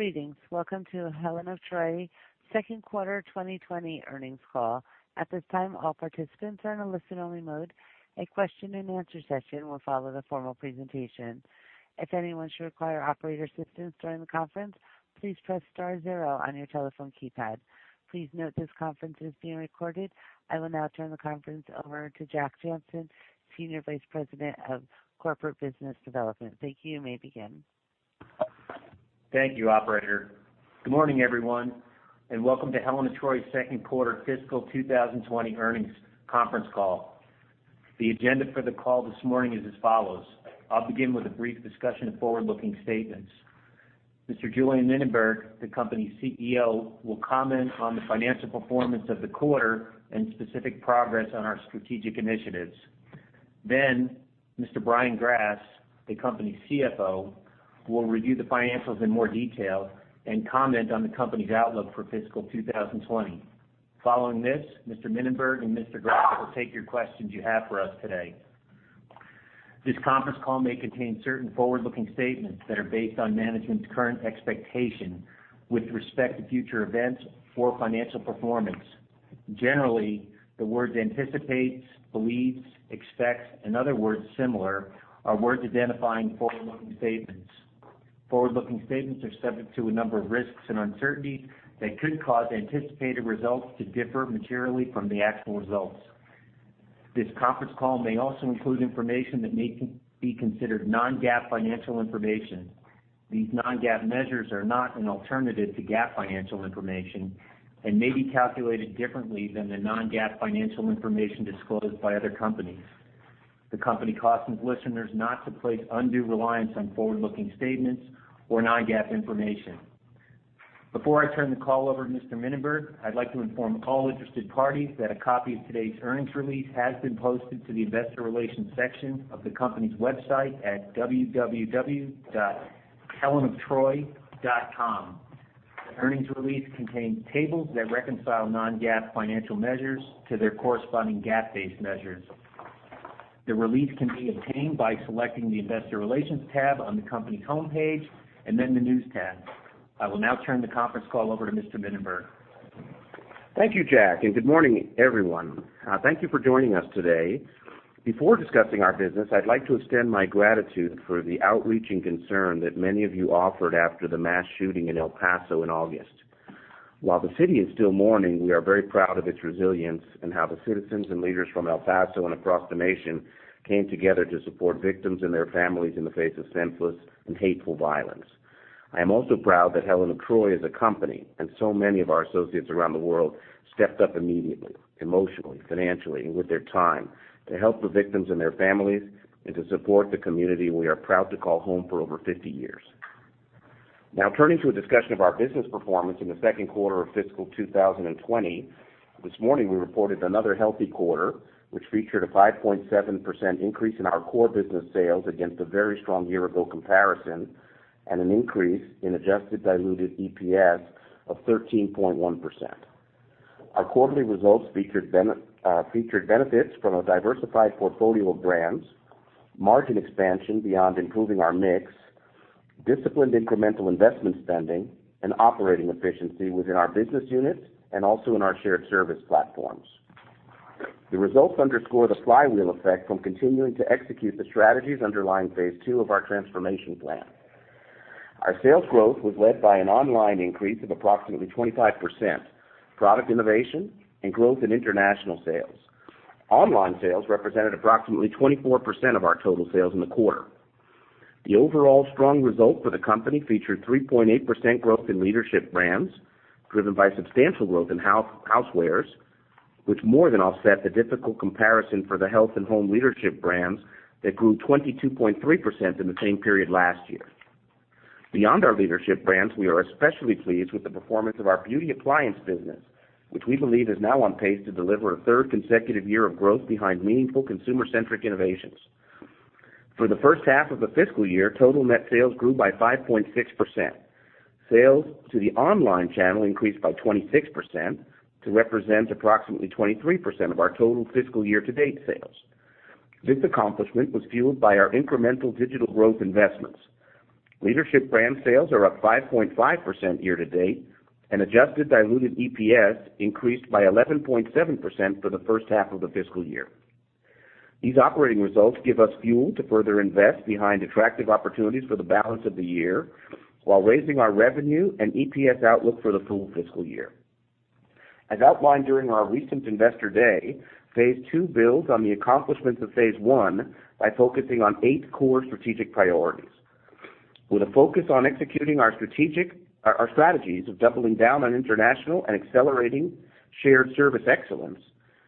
Greetings. Welcome to Helen of Troy second quarter 2020 earnings call. At this time, all participants are in a listen-only mode. A question-and-answer session will follow the formal presentation. If anyone should require operator assistance during the conference, please press star zero on your telephone keypad. Please note this conference is being recorded. I will now turn the conference over to Jack Jancin, Senior Vice President of Corporate Business Development. Thank you. You may begin. Thank you, operator. Good morning, everyone, and welcome to Helen of Troy second quarter fiscal 2020 earnings conference call. The agenda for the call this morning is as follows. I'll begin with a brief discussion of forward-looking statements. Mr. Julien Mininberg, the company's CEO, will comment on the financial performance of the quarter and specific progress on our strategic initiatives. Mr. Brian Grass, the company's CFO, will review the financials in more detail and comment on the company's outlook for fiscal 2020. Following this, Mr. Mininberg and Mr. Grass will take your questions you have for us today. This conference call may contain certain forward-looking statements that are based on management's current expectation with respect to future events or financial performance. Generally, the words anticipates, believes, expects, and other words similar, are words identifying forward-looking statements. Forward-looking statements are subject to a number of risks and uncertainties that could cause anticipated results to differ materially from the actual results. This conference call may also include information that may be considered non-GAAP financial information. These non-GAAP measures are not an alternative to GAAP financial information and may be calculated differently than the non-GAAP financial information disclosed by other companies. The company cautions listeners not to place undue reliance on forward-looking statements or non-GAAP information. Before I turn the call over to Mr. Mininberg, I'd like to inform all interested parties that a copy of today's earnings release has been posted to the investor relations section of the company's website at www.helenoftroy.com. The earnings release contains tables that reconcile non-GAAP financial measures to their corresponding GAAP-based measures. The release can be obtained by selecting the investor relations tab on the company homepage and then the news tab. I will now turn the conference call over to Mr. Mininberg. Thank you, Jack. Good morning, everyone. Thank you for joining us today. Before discussing our business, I'd like to extend my gratitude for the outreach and concern that many of you offered after the mass shooting in El Paso in August. While the city is still mourning, we are very proud of its resilience and how the citizens and leaders from El Paso and across the nation came together to support victims and their families in the face of senseless and hateful violence. I am also proud that Helen of Troy as a company, and so many of our associates around the world stepped up immediately, emotionally, financially, and with their time, to help the victims and their families, and to support the community we are proud to call home for over 50 years. Now turning to a discussion of our business performance in the second quarter of fiscal 2020. This morning, we reported another healthy quarter, which featured a 5.7% increase in our core business sales against a very strong year-ago comparison and an increase in adjusted diluted EPS of 13.1%. Our quarterly results featured benefits from a diversified portfolio of brands, margin expansion beyond improving our mix, disciplined incremental investment spending, and operating efficiency within our business units and also in our shared service platforms. The results underscore the flywheel effect from continuing to execute the strategies underlying phase two of our transformation plan. Our sales growth was led by an online increase of approximately 25%, product innovation, and growth in international sales. Online sales represented approximately 24% of our total sales in the quarter. The overall strong result for the company featured 3.8% growth in leadership brands, driven by substantial growth in Housewares, which more than offset the difficult comparison for the Health & Home leadership brands that grew 22.3% in the same period last year. Beyond our leadership brands, we are especially pleased with the performance of our Beauty appliance business, which we believe is now on pace to deliver a third consecutive year of growth behind meaningful consumer-centric innovations. For the first half of the fiscal year, total net sales grew by 5.6%. Sales to the online channel increased by 26% to represent approximately 23% of our total fiscal year-to-date sales. This accomplishment was fueled by our incremental digital growth investments. Leadership brand sales are up 5.5% year-to-date, and adjusted diluted EPS increased by 11.7% for the first half of the fiscal year. These operating results give us fuel to further invest behind attractive opportunities for the balance of the year while raising our revenue and EPS outlook for the full fiscal year. As outlined during our recent Investor Day, phase two builds on the accomplishments of phase one by focusing on eight core strategic priorities. With a focus on executing our strategies of doubling down on international and accelerating shared service excellence,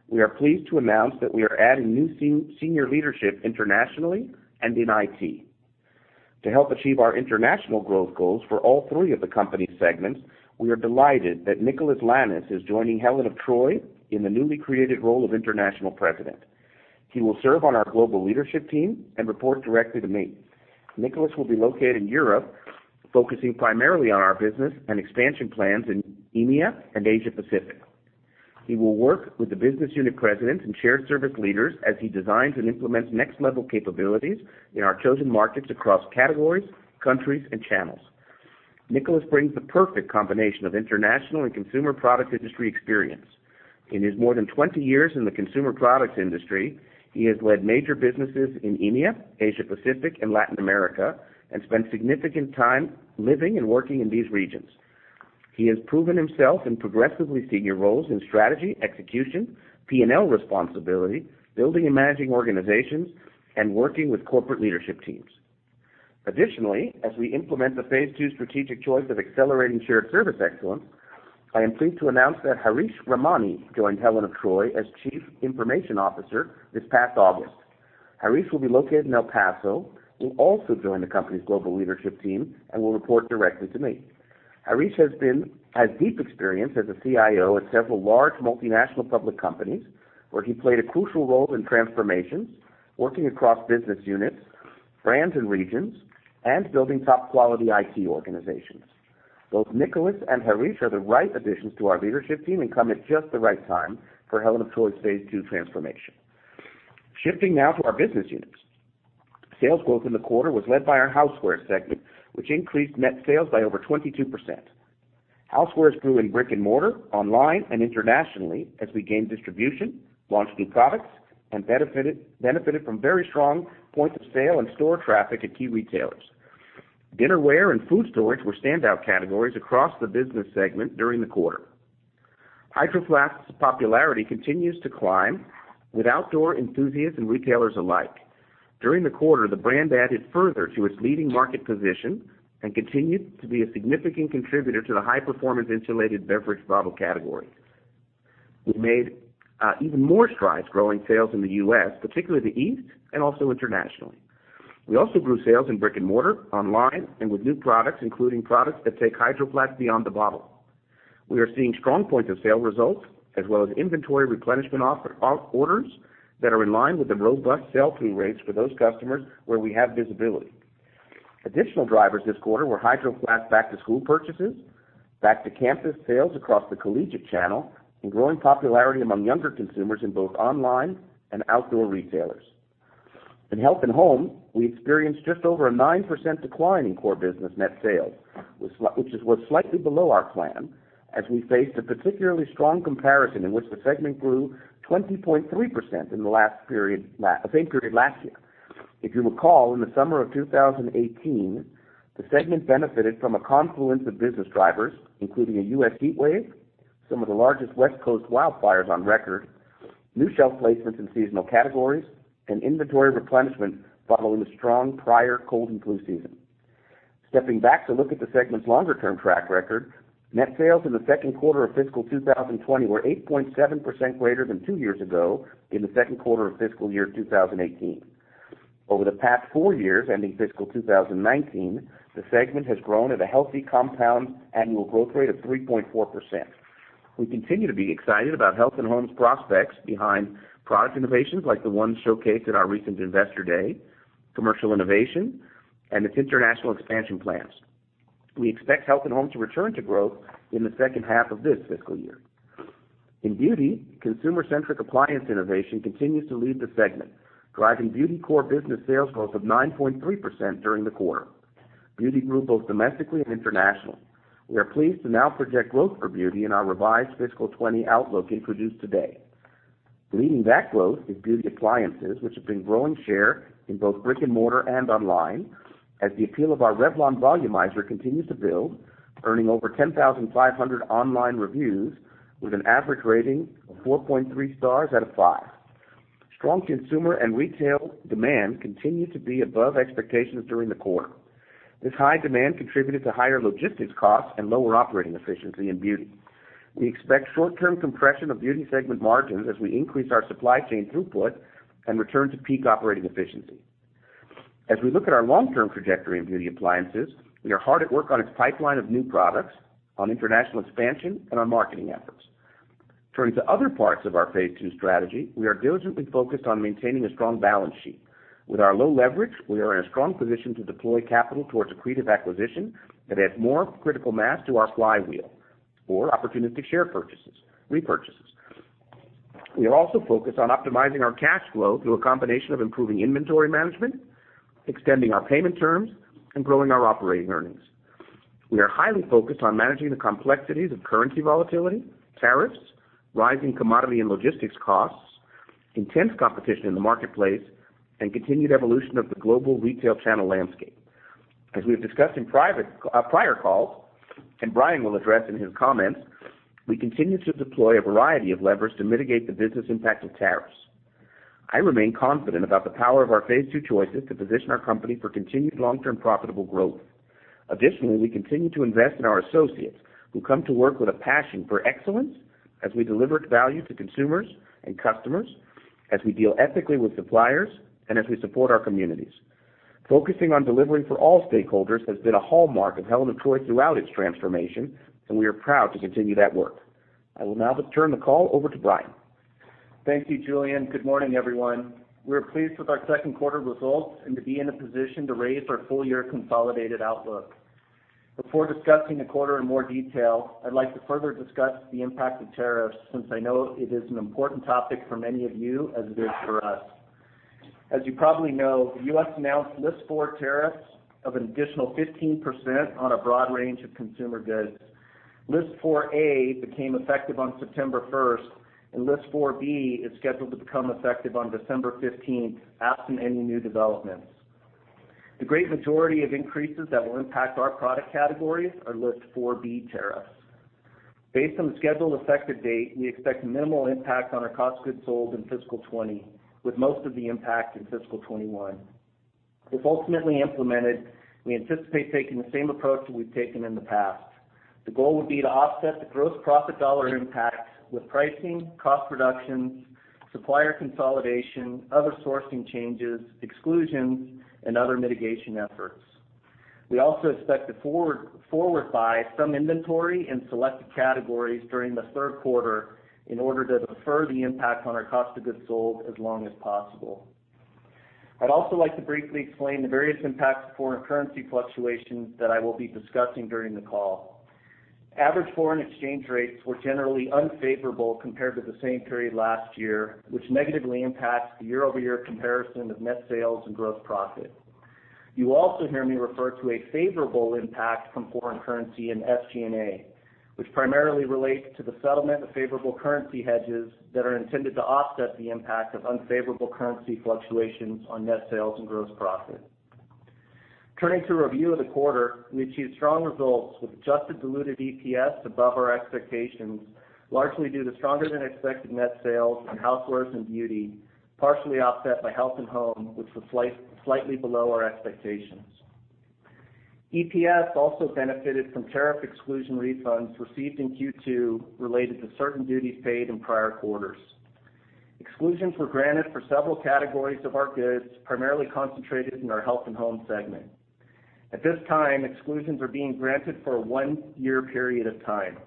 we are pleased to announce that we are adding new senior leadership internationally and in IT. To help achieve our international growth goals for all three of the company segments, we are delighted that Nicholas Lannis is joining Helen of Troy in the newly created role of International President. He will serve on our global leadership team and report directly to me. Nicholas will be located in Europe, focusing primarily on our business and expansion plans in EMEA and Asia Pacific. He will work with the business unit presidents and shared service leaders as he designs and implements next-level capabilities in our chosen markets across categories, countries, and channels. Nicholas brings the perfect combination of international and consumer product industry experience. In his more than 20 years in the consumer products industry, he has led major businesses in EMEA, Asia Pacific, and Latin America, and spent significant time living and working in these regions. He has proven himself in progressively senior roles in strategy, execution, P&L responsibility, building and managing organizations, and working with corporate leadership teams. As we implement the phase 2 strategic choice of accelerating shared service excellence, I am pleased to announce that Harish Ramani joined Helen of Troy as Chief Information Officer this past August. Harish will be located in El Paso, will also join the company's global leadership team, and will report directly to me. Harish has deep experience as a CIO at several large multinational public companies, where he played a crucial role in transformations, working across business units, brands, and regions, and building top-quality IT organizations. Both Nicholas and Harish are the right additions to our leadership team and come at just the right time for Helen of Troy's phase 2 transformation. Shifting now to our business units. Sales growth in the quarter was led by our Housewares segment, which increased net sales by over 22%. Housewares grew in brick and mortar, online, and internationally as we gained distribution, launched new products, and benefited from very strong point of sale and store traffic at key retailers. Dinnerware and food storage were standout categories across the business segment during the quarter. Hydro Flask's popularity continues to climb with outdoor enthusiasts and retailers alike. During the quarter, the brand added further to its leading market position and continued to be a significant contributor to the high-performance insulated beverage bottle category. We've made even more strides growing sales in the U.S., particularly the East, and also internationally. We also grew sales in brick and mortar, online, and with new products, including products that take Hydro Flask beyond the bottle. We are seeing strong point-of-sale results, as well as inventory replenishment orders that are in line with the robust sell-through rates for those customers where we have visibility. Additional drivers this quarter were Hydro Flask back-to-school purchases, back-to-campus sales across the collegiate channel, and growing popularity among younger consumers in both online and outdoor retailers. In Health and Home, we experienced just over a 9% decline in core business net sales, which was slightly below our plan as we faced a particularly strong comparison in which the segment grew 20.3% in the same period last year. If you recall, in the summer of 2018, the segment benefited from a confluence of business drivers, including a U.S. heatwave, some of the largest West Coast wildfires on record, new shelf placements in seasonal categories, and inventory replenishment following a strong prior cold and flu season. Stepping back to look at the segment's longer-term track record, net sales in the second quarter of fiscal 2020 were 8.7% greater than two years ago in the second quarter of fiscal year 2018. Over the past four years, ending fiscal 2019, the segment has grown at a healthy compound annual growth rate of 3.4%. We continue to be excited about Health & Home's prospects behind product innovations, like the ones showcased at our recent Investor Day, commercial innovation, and its international expansion plans. We expect Health & Home to return to growth in the second half of this fiscal year. In Beauty, consumer-centric appliance innovation continues to lead the segment, driving Beauty core business sales growth of 9.3% during the quarter. Beauty grew both domestically and internationally. We are pleased to now project growth for Beauty in our revised fiscal 2020 outlook introduced today. Leading that growth is Beauty appliances, which have been growing share in both brick and mortar and online, as the appeal of our Revlon Volumizer continues to build, earning over 10,500 online reviews with an average rating of 4.3 stars out of five. Strong consumer and retail demand continued to be above expectations during the quarter. This high demand contributed to higher logistics costs and lower operating efficiency in Beauty. We expect short-term compression of Beauty segment margins as we increase our supply chain throughput and return to peak operating efficiency. As we look at our long-term trajectory in Beauty appliances, we are hard at work on its pipeline of new products, on international expansion, and on marketing efforts. Turning to other parts of our Phase 2 strategy, we are diligently focused on maintaining a strong balance sheet. With our low leverage, we are in a strong position to deploy capital towards accretive acquisition that adds more critical mass to our flywheel or opportunistic share repurchases. We are also focused on optimizing our cash flow through a combination of improving inventory management, extending our payment terms, and growing our operating earnings. We are highly focused on managing the complexities of currency volatility, tariffs, rising commodity and logistics costs, intense competition in the marketplace, and continued evolution of the global retail channel landscape. As we have discussed in prior calls, and Brian will address in his comments, we continue to deploy a variety of levers to mitigate the business impact of tariffs. I remain confident about the power of our phase two choices to position our company for continued long-term profitable growth. Additionally, we continue to invest in our associates, who come to work with a passion for excellence as we deliver value to consumers and customers, as we deal ethically with suppliers, and as we support our communities. Focusing on delivering for all stakeholders has been a hallmark of Helen of Troy throughout its transformation, and we are proud to continue that work. I will now turn the call over to Brian. Thank you, Julien. Good morning, everyone. We are pleased with our second quarter results and to be in a position to raise our full-year consolidated outlook. Before discussing the quarter in more detail, I'd like to further discuss the impact of tariffs, since I know it is an important topic for many of you, as it is for us. As you probably know, the U.S. announced List 4 tariffs of an additional 15% on a broad range of consumer goods. List 4A became effective on September 1st. List 4B is scheduled to become effective on December 15th, absent any new developments. The great majority of increases that will impact our product categories are List 4B tariffs. Based on the scheduled effective date, we expect minimal impact on our cost goods sold in fiscal 2020, with most of the impact in fiscal 2021. If ultimately implemented, we anticipate taking the same approach that we've taken in the past. The goal would be to offset the gross profit dollar impact with pricing, cost reductions, supplier consolidation, other sourcing changes, exclusions, and other mitigation efforts. We also expect to forward buy some inventory in selected categories during the third quarter in order to defer the impact on our cost of goods sold as long as possible. I'd also like to briefly explain the various impacts of foreign currency fluctuations that I will be discussing during the call. Average foreign exchange rates were generally unfavorable compared to the same period last year, which negatively impacts the year-over-year comparison of net sales and gross profit. You will also hear me refer to a favorable impact from foreign currency in SG&A, which primarily relates to the settlement of favorable currency hedges that are intended to offset the impact of unfavorable currency fluctuations on net sales and gross profit. Turning to a review of the quarter, we achieved strong results with adjusted diluted EPS above our expectations, largely due to stronger than expected net sales in Housewares and Beauty, partially offset by Health & Home, which was slightly below our expectations. EPS also benefited from tariff exclusion refunds received in Q2 related to certain duties paid in prior quarters. Exclusions were granted for several categories of our goods, primarily concentrated in our Health & Home segment. At this time, exclusions are being granted for a one-year period of time.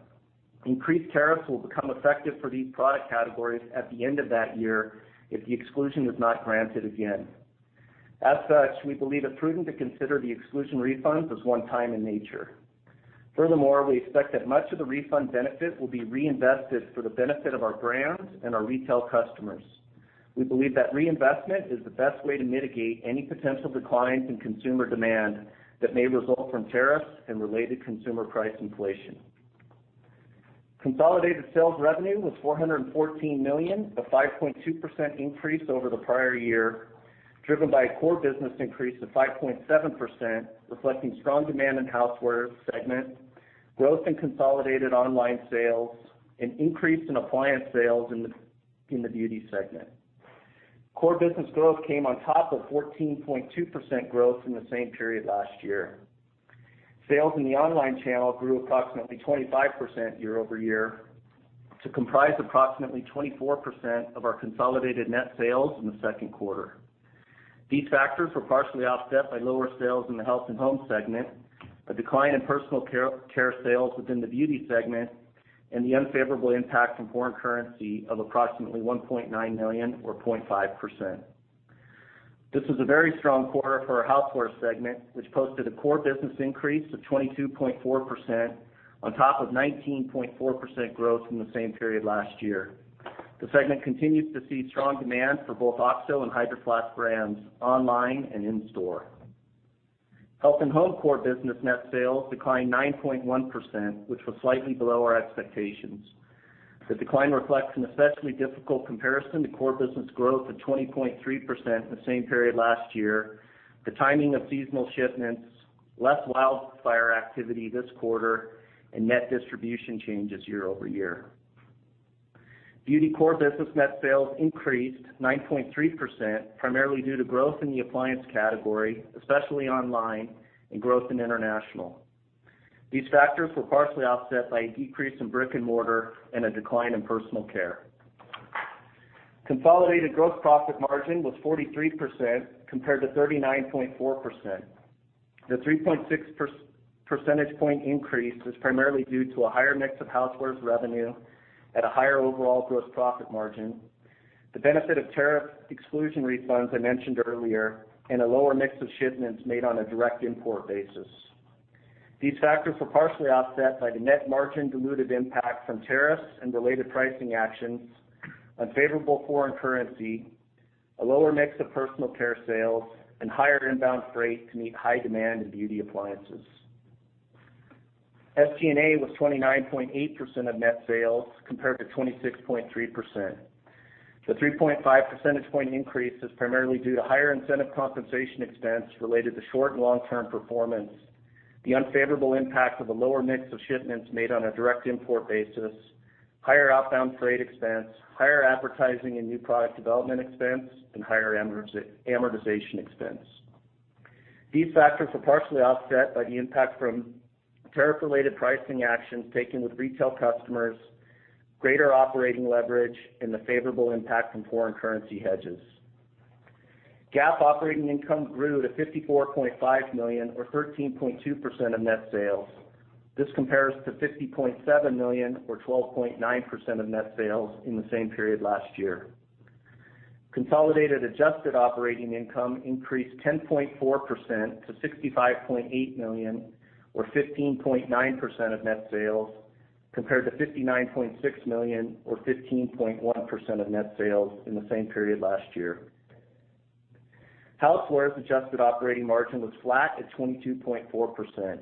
Increased tariffs will become effective for these product categories at the end of that year if the exclusion is not granted again. As such, we believe it prudent to consider the exclusion refunds as one-time in nature. Furthermore, we expect that much of the refund benefit will be reinvested for the benefit of our brands and our retail customers. We believe that reinvestment is the best way to mitigate any potential declines in consumer demand that may result from tariffs and related consumer price inflation. Consolidated sales revenue was $414 million, a 5.2% increase over the prior year, driven by a core business increase of 5.7%, reflecting strong demand in Housewares segment, growth in consolidated online sales, an increase in appliance sales in the Beauty segment. Core business growth came on top of 14.2% growth in the same period last year. Sales in the online channel grew approximately 25% year-over-year to comprise approximately 24% of our consolidated net sales in the second quarter. These factors were partially offset by lower sales in the Health & Home segment, a decline in personal care sales within the Beauty segment, and the unfavorable impact from foreign currency of approximately $1.9 million or 0.5%. This was a very strong quarter for our Housewares segment, which posted a core business increase of 22.4% on top of 19.4% growth in the same period last year. The segment continues to see strong demand for both OXO and Hydro Flask brands online and in store. Health & Home core business net sales declined 9.1%, which was slightly below our expectations. The decline reflects an especially difficult comparison to core business growth of 20.3% in the same period last year, the timing of seasonal shipments, less wildfire activity this quarter, and net distribution changes year-over-year. Beauty core business net sales increased 9.3%, primarily due to growth in the appliance category, especially online, and growth in international. These factors were partially offset by a decrease in brick and mortar and a decline in personal care. Consolidated gross profit margin was 43% compared to 39.4%. The 3.6 percentage point increase is primarily due to a higher mix of Housewares revenue at a higher overall gross profit margin, the benefit of tariff exclusion refunds I mentioned earlier, and a lower mix of shipments made on a direct import basis. These factors were partially offset by the net margin diluted impact from tariffs and related pricing actions, unfavorable foreign currency, a lower mix of personal care sales, and higher inbound freight to meet high demand in Beauty appliances. SG&A was 29.8% of net sales compared to 26.3%. The 3.5 percentage point increase is primarily due to higher incentive compensation expense related to short- and long-term performance, the unfavorable impact of a lower mix of shipments made on a direct import basis, higher outbound freight expense, higher advertising and new product development expense, and higher amortization expense. These factors were partially offset by the impact from tariff-related pricing actions taken with retail customers, greater operating leverage, and the favorable impact from foreign currency hedges. GAAP operating income grew to $54.5 million or 13.2% of net sales. This compares to $50.7 million or 12.9% of net sales in the same period last year. Consolidated adjusted operating income increased 10.4% to $65.8 million or 15.9% of net sales, compared to $59.6 million or 15.1% of net sales in the same period last year. Housewares adjusted operating margin was flat at 22.4%.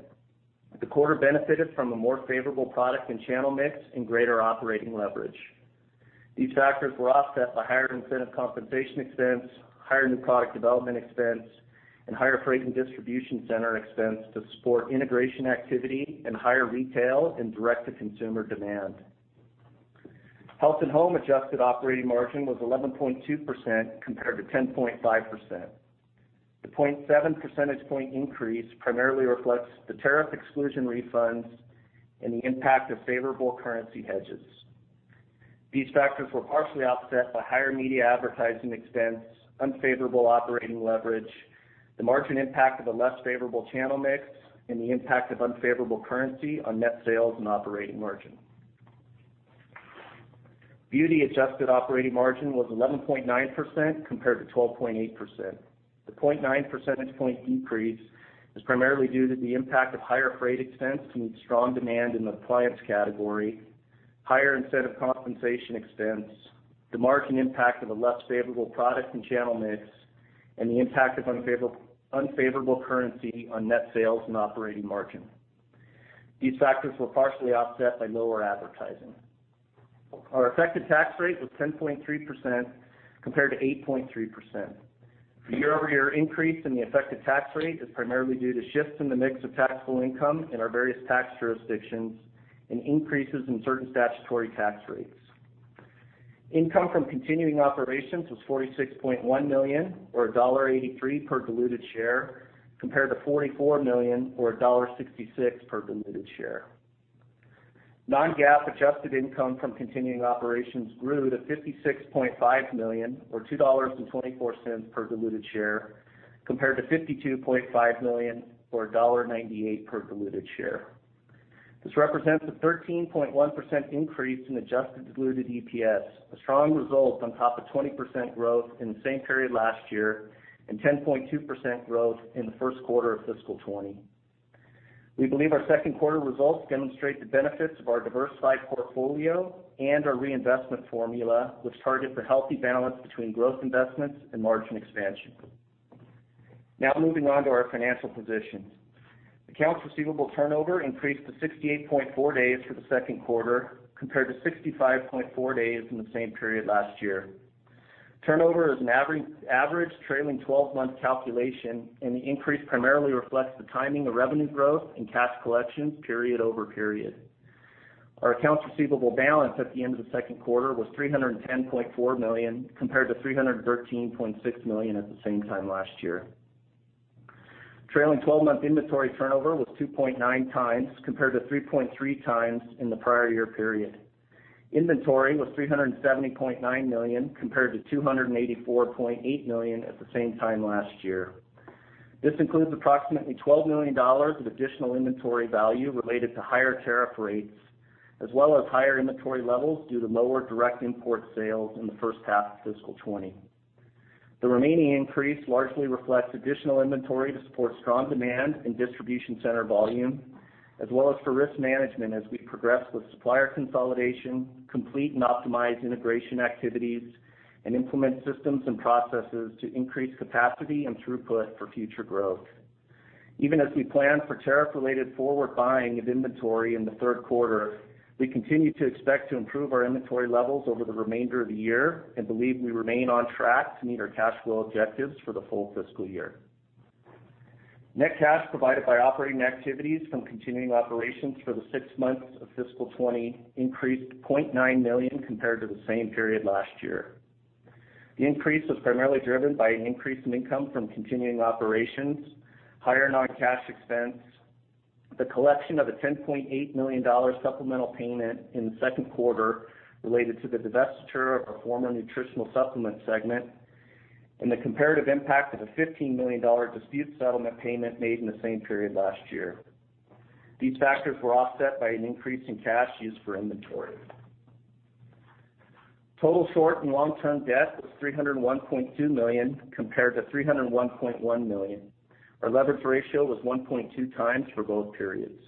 The quarter benefited from a more favorable product and channel mix and greater operating leverage. These factors were offset by higher incentive compensation expense, higher new product development expense, and higher freight and distribution center expense to support integration activity and higher retail and direct-to-consumer demand. Health & Home adjusted operating margin was 11.2% compared to 10.5%. The 0.7 percentage point increase primarily reflects the tariff exclusion refunds and the impact of favorable currency hedges. These factors were partially offset by higher media advertising expense, unfavorable operating leverage, the margin impact of a less favorable channel mix, and the impact of unfavorable currency on net sales and operating margin. Beauty adjusted operating margin was 11.9% compared to 12.8%. The 0.9 percentage point decrease is primarily due to the impact of higher freight expense to meet strong demand in the appliance category, higher incentive compensation expense, the margin impact of a less favorable product and channel mix, and the impact of unfavorable currency on net sales and operating margin. These factors were partially offset by lower advertising. Our effective tax rate was 10.3% compared to 8.3%. The year-over-year increase in the effective tax rate is primarily due to shifts in the mix of taxable income in our various tax jurisdictions and increases in certain statutory tax rates. Income from continuing operations was $46.1 million or $1.83 per diluted share, compared to $44 million or $1.66 per diluted share. Non-GAAP adjusted income from continuing operations grew to $56.5 million or $2.24 per diluted share, compared to $52.5 million or $1.98 per diluted share. This represents a 13.1% increase in adjusted diluted EPS, a strong result on top of 20% growth in the same period last year and 10.2% growth in the first quarter of fiscal 2020. We believe our second quarter results demonstrate the benefits of our diversified portfolio and our reinvestment formula, which target the healthy balance between growth investments and margin expansion. Moving on to our financial position. Accounts receivable turnover increased to 68.4 days for the second quarter, compared to 65.4 days in the same period last year. Turnover is an average trailing 12-month calculation, the increase primarily reflects the timing of revenue growth and cash collections period-over-period. Our accounts receivable balance at the end of the second quarter was $310.4 million compared to $313.6 million at the same time last year. Trailing 12-month inventory turnover was 2.9 times, compared to 3.3 times in the prior year period. Inventory was $370.9 million compared to $284.8 million at the same time last year. This includes approximately $12 million of additional inventory value related to higher tariff rates, as well as higher inventory levels due to lower direct import sales in the first half of fiscal 2020. The remaining increase largely reflects additional inventory to support strong demand and distribution center volume, as well as for risk management as we progress with supplier consolidation, complete and optimize integration activities, and implement systems and processes to increase capacity and throughput for future growth. Even as we plan for tariff-related forward buying of inventory in the third quarter, we continue to expect to improve our inventory levels over the remainder of the year and believe we remain on track to meet our cash flow objectives for the full fiscal year. Net cash provided by operating activities from continuing operations for the six months of fiscal 2020 increased to $0.9 million compared to the same period last year. The increase was primarily driven by an increase in income from continuing operations, higher non-cash expense, the collection of a $10.8 million supplemental payment in the second quarter related to the divestiture of our former nutritional supplement segment, and the comparative impact of a $15 million dispute settlement payment made in the same period last year. These factors were offset by an increase in cash used for inventory. Total short and long-term debt was $301.2 million compared to $301.1 million. Our leverage ratio was 1.2 times for both periods.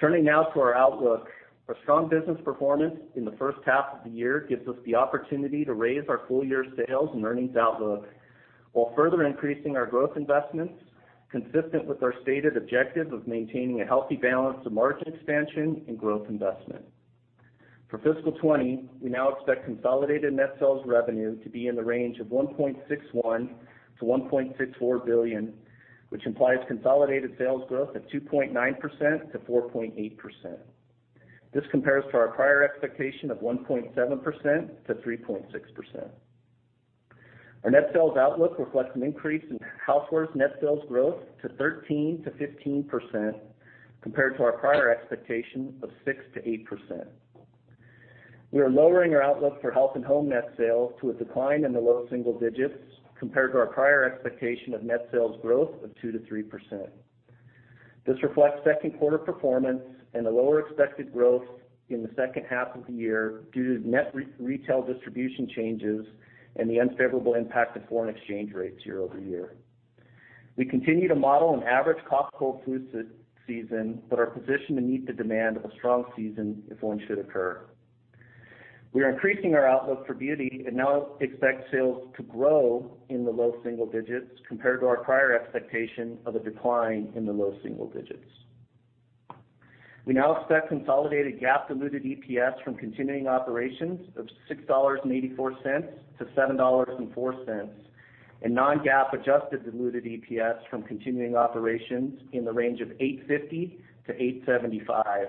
Turning now to our outlook. Our strong business performance in the first half of the year gives us the opportunity to raise our full-year sales and earnings outlook while further increasing our growth investments, consistent with our stated objective of maintaining a healthy balance of margin expansion and growth investment. For fiscal 2020, we now expect consolidated net sales revenue to be in the range of $1.61 billion-$1.64 billion, which implies consolidated sales growth of 2.9%-4.8%. This compares to our prior expectation of 1.7%-3.6%. Our net sales outlook reflects an increase in Housewares net sales growth to 13%-15%, compared to our prior expectation of 6%-8%. We are lowering our outlook for Health & Home net sales to a decline in the low single digits compared to our prior expectation of net sales growth of 2%-3%. This reflects second quarter performance and a lower expected growth in the second half of the year due to net retail distribution changes and the unfavorable impact of foreign exchange rates year-over-year. We continue to model an average cough-cold-flu season, but are positioned to meet the demand of a strong season if one should occur. We are increasing our outlook for Beauty and now expect sales to grow in the low single digits compared to our prior expectation of a decline in the low single digits. We now expect consolidated GAAP diluted EPS from continuing operations of $6.84-$7.04, and non-GAAP adjusted diluted EPS from continuing operations in the range of $8.50-$8.75,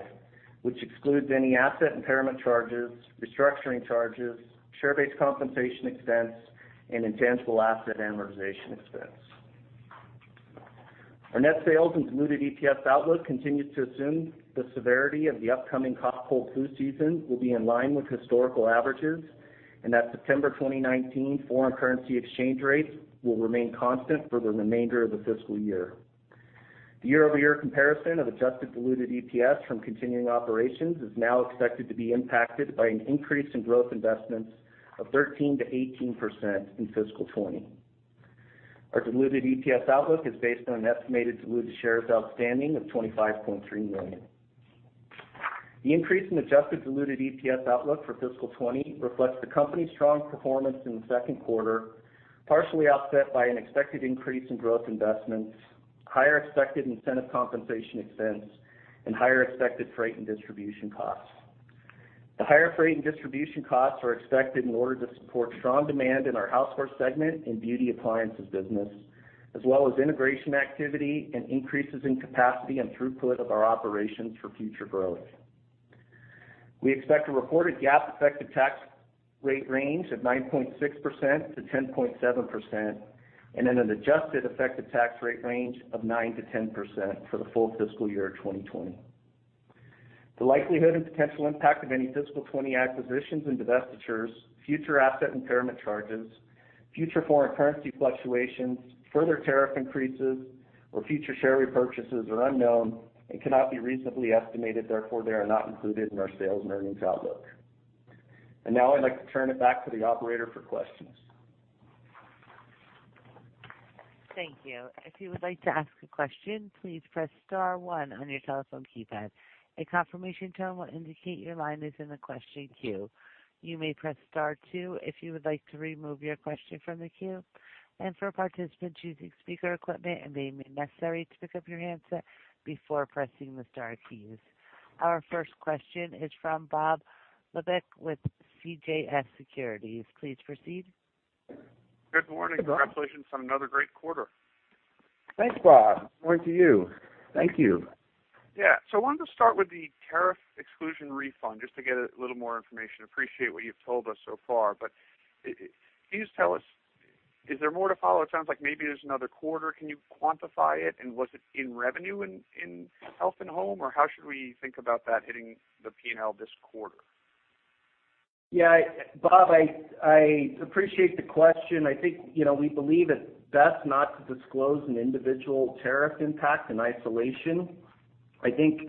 which excludes any asset impairment charges, restructuring charges, share-based compensation expense, and intangible asset amortization expense. Our net sales and diluted EPS outlook continues to assume the severity of the upcoming cough-cold-flu season will be in line with historical averages, and that September 2019 foreign currency exchange rates will remain constant for the remainder of the fiscal year. The year-over-year comparison of adjusted diluted EPS from continuing operations is now expected to be impacted by an increase in growth investments of 13%-18% in fiscal 2020. Our diluted EPS outlook is based on an estimated diluted shares outstanding of 25.3 million. The increase in adjusted diluted EPS outlook for fiscal 2020 reflects the company's strong performance in the second quarter, partially offset by an expected increase in growth investments, higher expected incentive compensation expense, and higher expected freight and distribution costs. The higher freight and distribution costs are expected in order to support strong demand in our Housewares segment and Beauty appliances business, as well as integration activity and increases in capacity and throughput of our operations for future growth. We expect a reported GAAP effective tax rate range of 9.6%-10.7%, and an adjusted effective tax rate range of 9%-10% for the full fiscal year 2020. The likelihood and potential impact of any fiscal 2020 acquisitions and divestitures, future asset impairment charges, future foreign currency fluctuations, further tariff increases, or future share repurchases are unknown and cannot be reasonably estimated, therefore, they are not included in our sales and earnings outlook. Now I'd like to turn it back to the operator for questions. Thank you. If you would like to ask a question, please press star 1 on your telephone keypad. A confirmation tone will indicate your line is in the question queue. You may press star 2 if you would like to remove your question from the queue. For participants using speaker equipment, it may be necessary to pick up your handset before pressing the star keys. Our first question is from Bob Labick with CJS Securities. Please proceed. Good morning. Hey, Bob. Congratulations on another great quarter. Thanks, Bob. Same to you. Thank you. I wanted to start with the tariff exclusion refund, just to get a little more information. Appreciate what you've told us so far, can you just tell us, is there more to follow? It sounds like maybe there's another quarter. Can you quantify it, was it in revenue in Health & Home, or how should we think about that hitting the P&L this quarter? Yeah, Bob Labick, I appreciate the question. I think we believe it's best not to disclose an individual tariff impact in isolation. I think,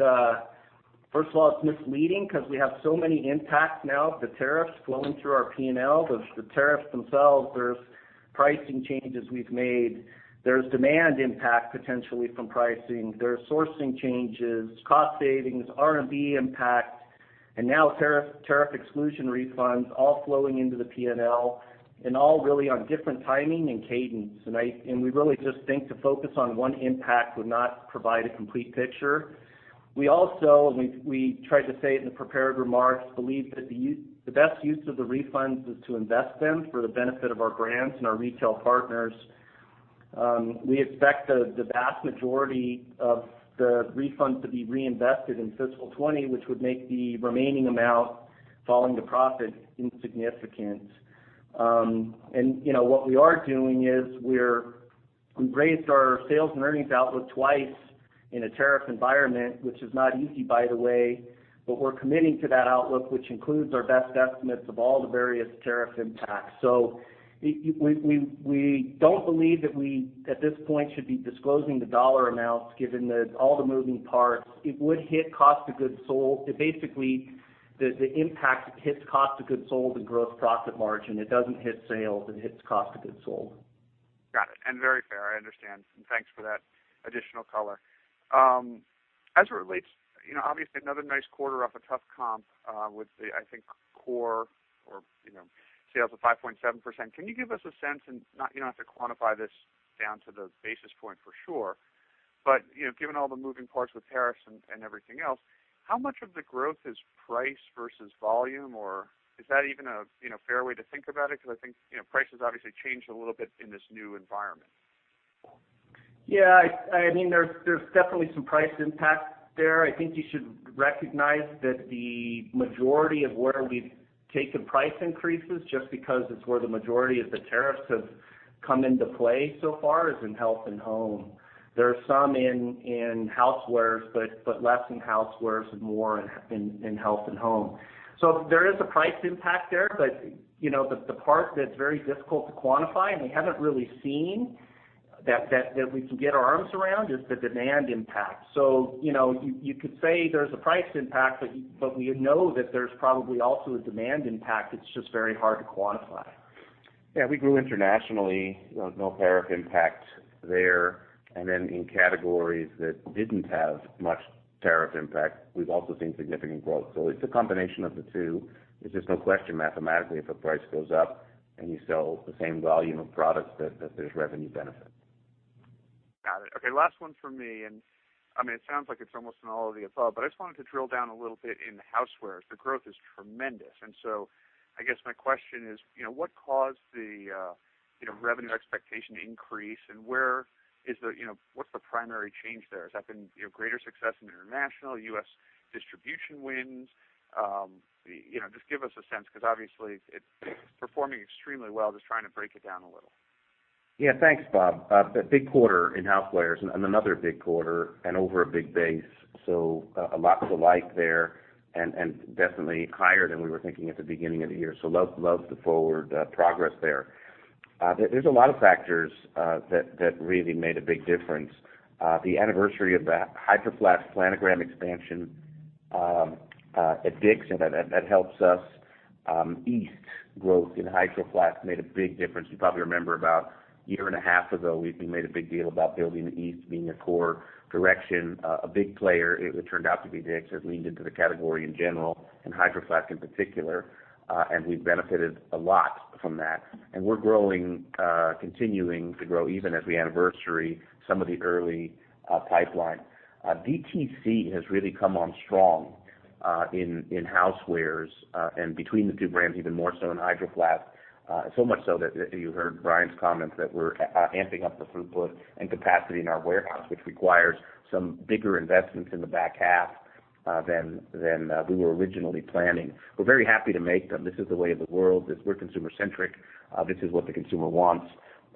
first of all, it's misleading because we have so many impacts now of the tariffs flowing through our P&L. There's the tariffs themselves. There's pricing changes we've made. There's demand impact potentially from pricing. There are sourcing changes, cost savings, R&D impact, and now tariff exclusion refunds all flowing into the P&L, all really on different timing and cadence. We really just think to focus on one impact would not provide a complete picture. We also, we tried to say it in the prepared remarks, believe that the best use of the refunds is to invest them for the benefit of our brands and our retail partners. We expect the vast majority of the refunds to be reinvested in fiscal 2020, which would make the remaining amount following the profit insignificant. What we are doing is we raised our sales and earnings outlook twice in a tariff environment, which is not easy, by the way, but we're committing to that outlook, which includes our best estimates of all the various tariff impacts. We don't believe that we, at this point, should be disclosing the dollar amounts, given that all the moving parts, it would hit cost of goods sold. Basically, the impact hits cost of goods sold and gross profit margin. It doesn't hit sales, it hits cost of goods sold. Got it. Very fair, I understand. Thanks for that additional color. As it relates, obviously, another nice quarter off a tough comp with the, I think, core or sales of 5.7%. Can you give us a sense, and you don't have to quantify this down to the basis point for sure, but given all the moving parts with tariffs and everything else, how much of the growth is price versus volume, or is that even a fair way to think about it? I think prices obviously changed a little bit in this new environment. Yeah. There's definitely some price impact there. I think you should recognize that the majority of where we've taken price increases just because it's where the majority of the tariffs have come into play so far is in Health & Home. There are some in Housewares, but less in Housewares and more in Health & Home. There is a price impact there, but the part that's very difficult to quantify, and we haven't really seen that we can get our arms around, is the demand impact. You could say there's a price impact, but we know that there's probably also a demand impact. It's just very hard to quantify. Yeah, we grew internationally. There was no tariff impact there. In categories that didn't have much tariff impact, we've also seen significant growth. It's a combination of the two. There's just no question, mathematically, if a price goes up and you sell the same volume of products, that there's revenue benefit. Got it. Last one from me. It sounds like it's almost an all of the above, I just wanted to drill down a little bit in Housewares. The growth is tremendous, I guess my question is, what caused the revenue expectation increase, what's the primary change there? Has that been greater success in international, U.S. distribution wins? Just give us a sense, because obviously it's performing extremely well. Just trying to break it down a little. Yeah, thanks, Bob. A big quarter in Housewares, and another big quarter and over a big base, so lots to like there, and definitely higher than we were thinking at the beginning of the year. Love the forward progress there. There's a lot of factors that really made a big difference. The anniversary of the Hydro Flask planogram expansion at Dick's, that helps us. East growth in Hydro Flask made a big difference. You probably remember about a year and a half ago, we made a big deal about building the East being a core direction, a big player. It turned out to be Dick's has leaned into the category in general and Hydro Flask in particular. We've benefited a lot from that. We're continuing to grow even as we anniversary some of the early pipeline. DTC has really come on strong in Housewares, between the two brands, even more so in Hydro Flask. Much so that you heard Brian's comments that we're amping up the throughput and capacity in our warehouse, which requires some bigger investments in the back half than we were originally planning. We're very happy to make them. This is the way of the world, is we're consumer centric. This is what the consumer wants.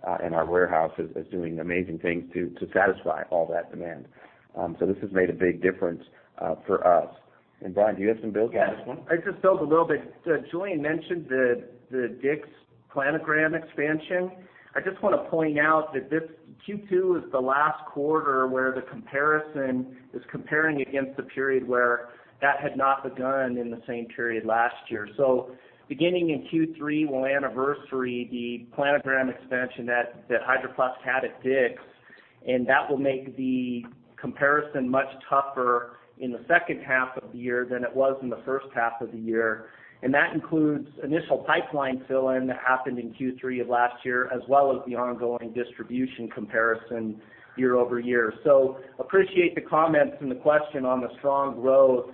Our warehouse is doing amazing things to satisfy all that demand. This has made a big difference for us. Brian, do you have some builds on this one? Yeah. I just built a little bit. Julien mentioned the Dick's planogram expansion. I just want to point out that this Q2 is the last quarter where the comparison is comparing against the period where that had not begun in the same period last year. Beginning in Q3, we'll anniversary the planogram expansion that Hydro Flask had at Dick's, and that will make the comparison much tougher in the second half of the year than it was in the first half of the year, and that includes initial pipeline fill-in that happened in Q3 of last year, as well as the ongoing distribution comparison year-over-year. Appreciate the comments and the question on the strong growth.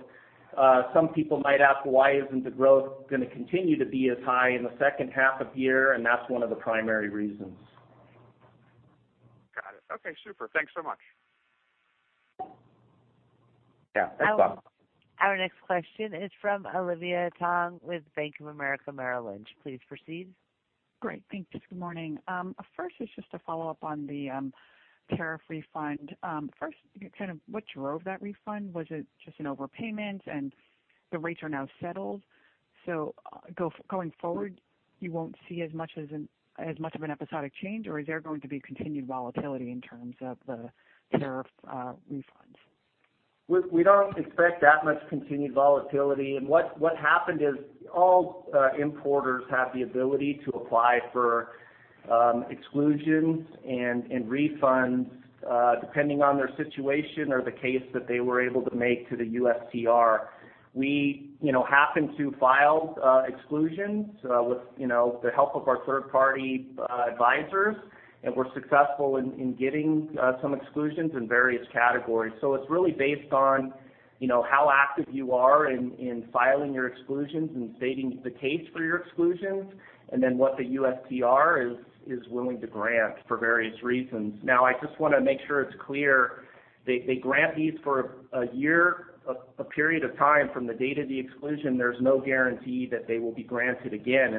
Some people might ask, why isn't the growth going to continue to be as high in the second half of the year? That's one of the primary reasons. Got it. Okay, super. Thanks so much. Yeah. Thanks, Bob. Our next question is from Olivia Tong with Bank of America Merrill Lynch. Please proceed. Great. Thank you. Good morning. First is just a follow-up on the tariff refund. First, what drove that refund? Was it just an overpayment and the rates are now settled, so going forward, you won't see as much of an episodic change, or is there going to be continued volatility in terms of the tariff refunds? We don't expect that much continued volatility. What happened is all importers have the ability to apply for exclusions and refunds, depending on their situation or the case that they were able to make to the USTR. We happened to file exclusions with the help of our third party advisors. We were successful in getting some exclusions in various categories. It's really based on how active you are in filing your exclusions and stating the case for your exclusions, and then what the USTR is willing to grant for various reasons. Now, I just want to make sure it's clear they grant these for a year, a period of time from the date of the exclusion. There's no guarantee that they will be granted again.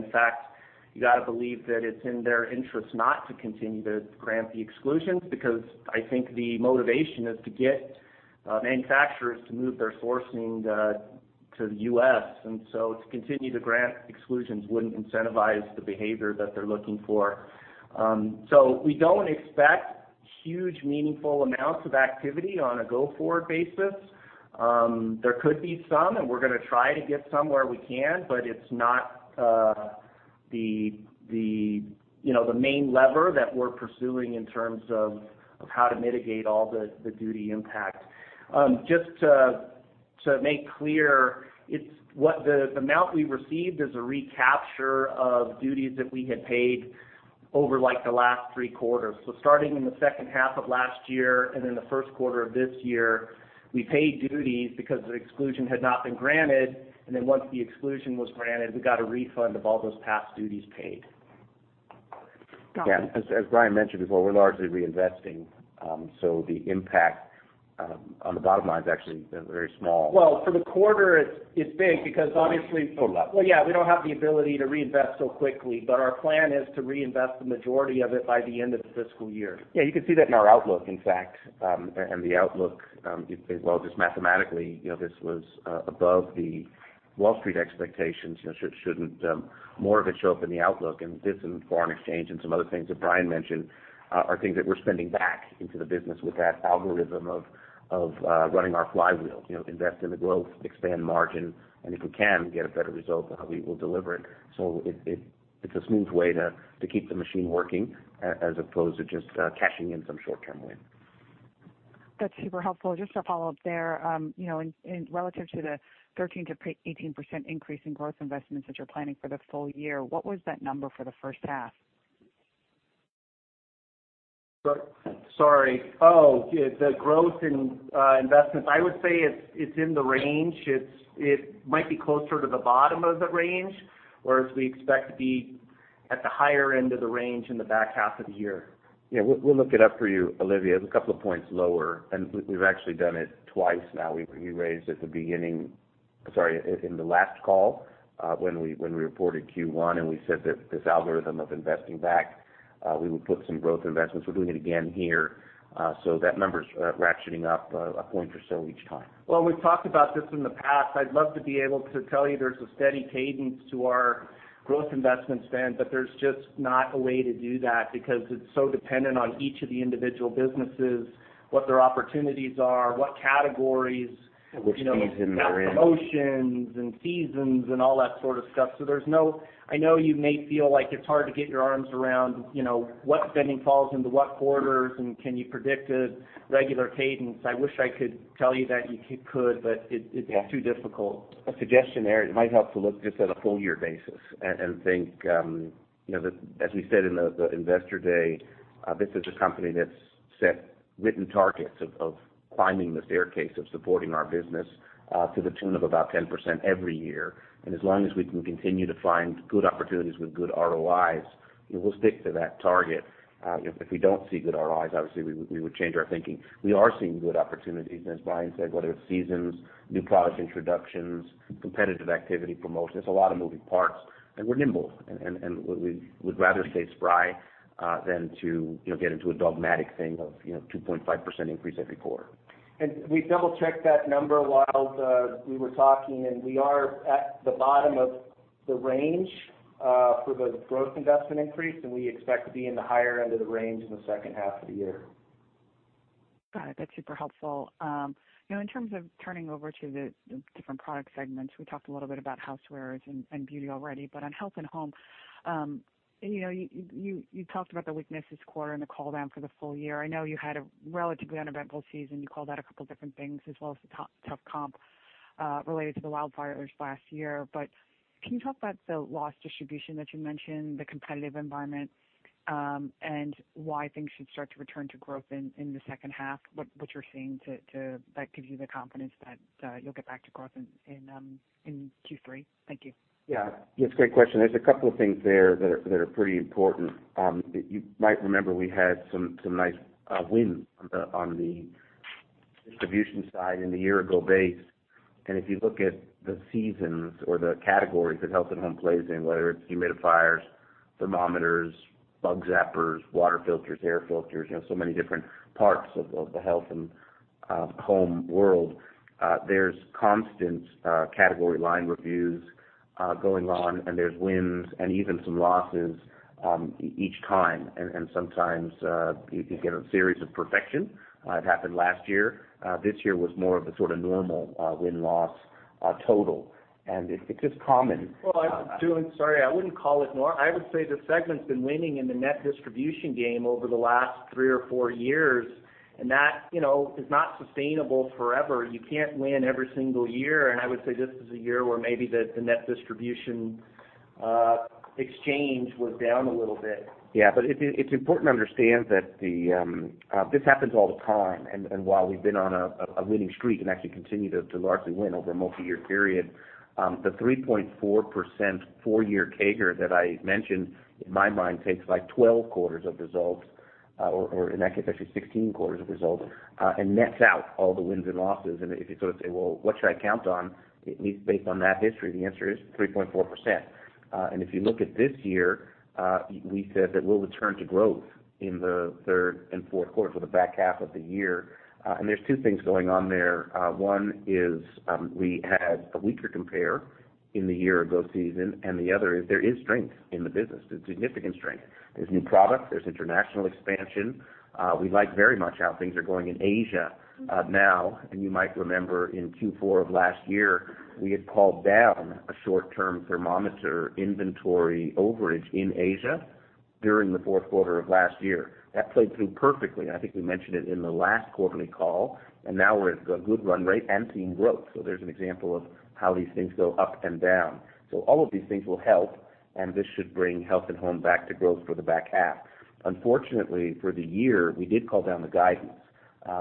In fact, you got to believe that it's in their interest not to continue to grant the exclusions, because I think the motivation is to get manufacturers to move their sourcing to the U.S., and so to continue to grant exclusions wouldn't incentivize the behavior that they're looking for. We don't expect huge, meaningful amounts of activity on a go-forward basis. There could be some, and we're going to try to get some where we can, but it's not the main lever that we're pursuing in terms of how to mitigate all the duty impact. Just to make clear, the amount we received is a recapture of duties that we had paid over the last three quarters. Starting in the second half of last year and in the first quarter of this year, we paid duties because the exclusion had not been granted, and then once the exclusion was granted, we got a refund of all those past duties paid. Yeah. As Brian mentioned before, we're largely reinvesting, so the impact on the bottom line is actually very small. Well, for the quarter it's big because. For luck. Well, yeah, we don't have the ability to reinvest so quickly, but our plan is to reinvest the majority of it by the end of the fiscal year. Yeah, you can see that in our outlook, in fact. The outlook, well, just mathematically, this was above the Wall Street expectations. Shouldn't more of it show up in the outlook? This and foreign exchange and some other things that Brian mentioned are things that we're spending back into the business with that algorithm of running our flywheel. Invest in the growth, expand margin, and if we can get a better result, we will deliver it. It's a smooth way to keep the machine working as opposed to just cashing in some short-term wins. That's super helpful. Just to follow up there, relative to the 13%-18% increase in growth investments that you're planning for the full year, what was that number for the first half? Sorry. Yeah, the growth in investments. I would say it's in the range. It might be closer to the bottom of the range, whereas we expect to be at the higher end of the range in the back half of the year. We'll look it up for you, Olivia. It's a couple of points lower, and we've actually done it twice now. We raised Sorry, in the last call, when we reported Q1, and we said that this algorithm of investing back, we would put some growth investments. We're doing it again here. That number's ratcheting up a point or so each time. Well, we've talked about this in the past. I'd love to be able to tell you there's a steady cadence to our growth investment spend, but there's just not a way to do that because it's so dependent on each of the individual businesses, what their opportunities are. Which season they're in? promotions and seasons and all that sort of stuff. I know you may feel like it's hard to get your arms around what spending falls into what quarters and can you predict a regular cadence. I wish I could tell you that you could, but it's too difficult. A suggestion there. It might help to look just at a full-year basis and think, as we said in the investor day, this is a company that's set written targets of climbing the staircase of supporting our business, to the tune of about 10% every year. As long as we can continue to find good opportunities with good ROIs, we'll stick to that target. If we don't see good ROIs, obviously, we would change our thinking. We are seeing good opportunities. As Brian said, whether it's seasons, new product introductions, competitive activity, promotions, there's a lot of moving parts and we're nimble and we'd rather stay spry than to get into a dogmatic thing of 2.5% increase every quarter. We double-checked that number while we were talking, and we are at the bottom of the range, for the growth investment increase, and we expect to be in the higher end of the range in the second half of the year. Got it. That's super helpful. In terms of turning over to the different product segments, we talked a little bit about Housewares and Beauty already. On Health & Home, you talked about the weakness this quarter and the call-down for the full year. I know you had a relatively uneventful season. You called out a couple of different things as well as the tough comp related to the wildfires last year. Can you talk about the loss distribution that you mentioned, the competitive environment, and why things should start to return to growth in the second half? What you're seeing that gives you the confidence that you'll get back to growth in Q3. Thank you. Yeah. It's a great question. There's a couple of things there that are pretty important. You might remember we had some nice wins on the distribution side in the year ago base. If you look at the seasons or the categories that health and home plays in, whether it's humidifiers, thermometers, bug zappers, water filters, air filters, so many different parts of the health and home world, there's constant category line reviews going on, there's wins and even some losses each time. Sometimes, you get a series of perfection. It happened last year. This year was more of a sort of normal win-loss total, it's just common. Well, sorry, I wouldn't call it. I would say the segment's been winning in the net distribution game over the last three or four years, and that is not sustainable forever. You can't win every single year, and I would say this is a year where maybe the net distribution exchange was down a little bit. Yeah. It's important to understand that this happens all the time. While we've been on a winning streak and actually continue to largely win over a multi-year period, the 3.4% 4-year CAGR that I mentioned, in my mind, takes 12 quarters of results, or in that case, actually 16 quarters of results, and nets out all the wins and losses. If you sort of say, "Well, what should I count on?" At least based on that history, the answer is 3.4%. If you look at this year, we said that we'll return to growth in the third and fourth quarter for the back half of the year. There's two things going on there. One is, we had a weaker compare in the year-ago season, and the other is there is strength in the business, there's significant strength. There's new product, there's international expansion. We like very much how things are going in Asia now. You might remember in Q4 of last year, we had called down a short-term thermometer inventory overage in Asia during the fourth quarter of last year. That played through perfectly. I think we mentioned it in the last quarterly call, and now we're at a good run rate and seeing growth. There's an example of how these things go up and down. All of these things will help, and this should bring health and home back to growth for the back half. Unfortunately, for the year, we did call down the guidance.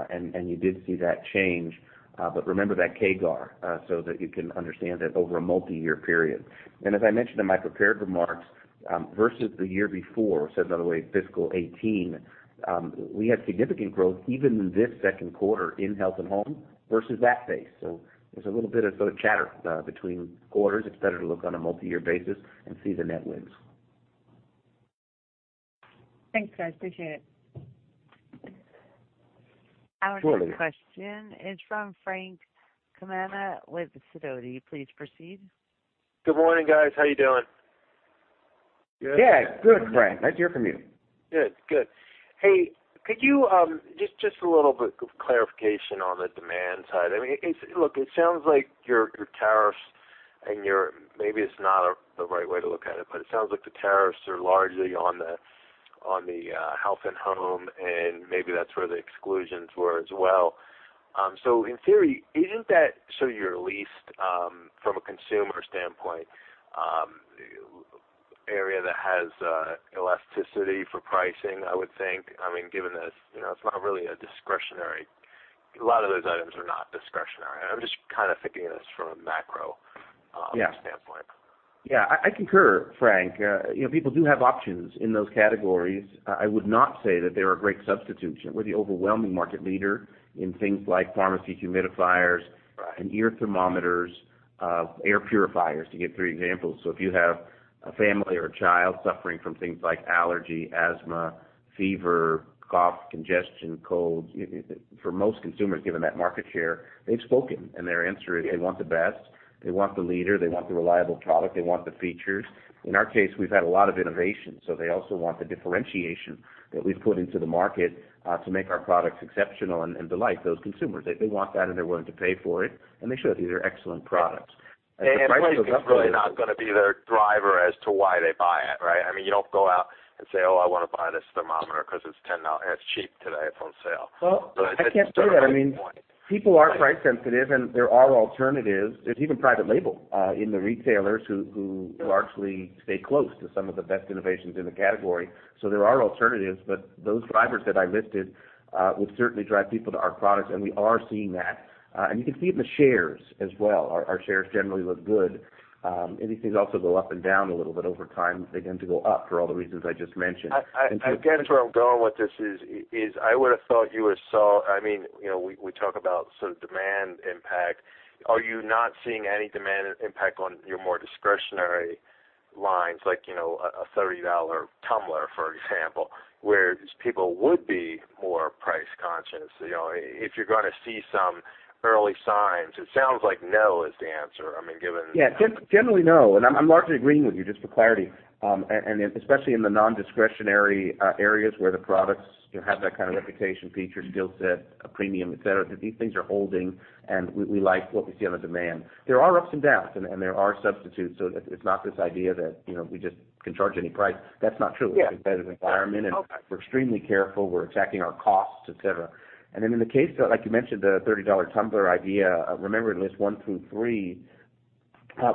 And you did see that change. Remember that CAGR, so that you can understand that over a multi-year period. As I mentioned in my prepared remarks, versus the year before, so in other ways, fiscal 2018, we had significant growth even in this second quarter in health and home versus that base. There's a little bit of chatter between quarters. It's better to look on a multi-year basis and see the net wins. Thanks, guys. Appreciate it. Sure thing. Our next question is from Frank Comana with [Citadel]. Please proceed. Good morning, guys. How are you doing? Yeah, good, Frank. Nice to hear from you. Good. Hey, could you just a little bit of clarification on the demand side? I mean, look, it sounds like your tariffs and your, maybe it's not the right way to look at it, but it sounds like the tariffs are largely on the health and home, and maybe that's where the exclusions were as well. In theory, isn't that sort of your least, from a consumer standpoint, area that has elasticity for pricing, I would think? I mean, given this, it's not really a discretionary. A lot of those items are not discretionary. I'm just kind of thinking of this from a macro standpoint. Yeah. I concur, Frank. People do have options in those categories. I would not say that they are great substitutes. We're the overwhelming market leader in things like pharmacy humidifiers and ear thermometers, air purifiers, to give three examples. If you have a family or a child suffering from things like allergy, asthma, fever, cough, congestion, colds, for most consumers, given that market share, they've spoken and their answer is they want the best, they want the leader, they want the reliable product, they want the features. In our case, we've had a lot of innovation, so they also want the differentiation that we've put into the market, to make our products exceptional and delight those consumers. They want that and they're willing to pay for it, and they should. These are excellent products. As the price goes up. Price is really not going to be their driver as to why they buy it, right? I mean, you don't go out and say, "Oh, I want to buy this thermometer because it's cheap today. It's on sale. Well, I can't say that. I mean, people are price sensitive and there are alternatives. There's even private label, in the retailers who largely stay close to some of the best innovations in the category. There are alternatives, but those drivers that I listed, would certainly drive people to our products, and we are seeing that. You can see it in the shares as well. Our shares generally look good. These things also go up and down a little bit over time. They tend to go up for all the reasons I just mentioned. I get where I'm going with this is, I would've thought you were so I mean, we talk about sort of demand impact. Are you not seeing any demand impact on your more discretionary lines, like, a $30 tumbler, for example, where these people would be more price conscious? If you're going to see some early signs, it sounds like no is the answer. Yeah, generally no. I'm largely agreeing with you just for clarity. Especially in the non-discretionary areas where the products have that kind of reputation, features, skill set, a premium, et cetera. These things are holding, and we like what we see on the demand. There are ups and downs and there are substitutes, so it's not this idea that we just can charge any price. That's not true. Yeah. It's a competitive environment, and we're extremely careful. We're attacking our costs, et cetera. In the case, like you mentioned, the $30 tumbler idea, remember in List one through three,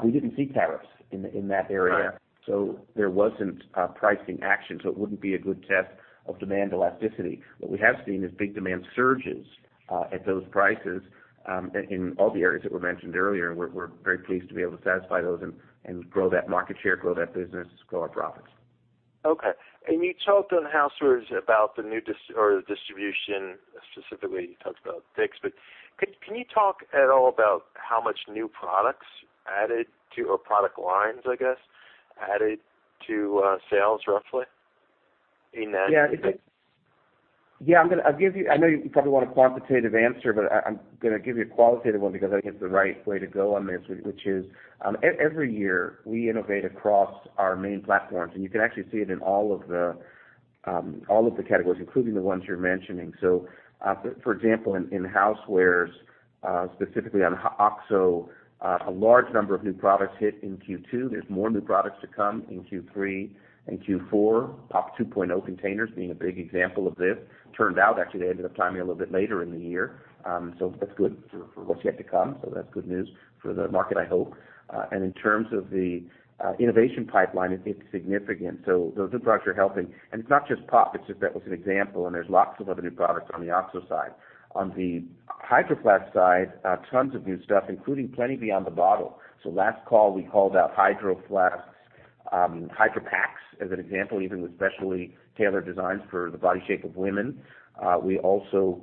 we didn't see tariffs in that area. Right. There wasn't a pricing action, so it wouldn't be a good test of demand elasticity. What we have seen is big demand surges, at those prices, in all the areas that were mentioned earlier, and we're very pleased to be able to satisfy those and grow that market share, grow that business, grow our profits. Okay. You talked on Housewares about the new or the distribution, specifically, you talked about OXO, but can you talk at all about how much new products added to, or product lines, I guess, added to sales roughly in that? Yeah. I know you probably want a quantitative answer, but I'm going to give you a qualitative one because I think it's the right way to go on this, which is, every year we innovate across our main platforms, and you can actually see it in all of the categories, including the ones you're mentioning. For example, in Housewares, specifically on OXO, a large number of new products hit in Q2. There's more new products to come in Q3 and Q4. POP 2.0 containers being a big example of this. Turned out actually they ended up timing a little bit later in the year. That's good for what's yet to come. That's good news for the market, I hope. In terms of the innovation pipeline, it's significant. Those new products are helping. It's not just POP, it's just that was an example, and there's lots of other new products on the OXO side. On the Hydro Flask side, tons of new stuff, including plenty beyond the bottle. Last call we called out Hydro Flask's Hydration Packs as an example, even with specially tailored designs for the body shape of women. We also,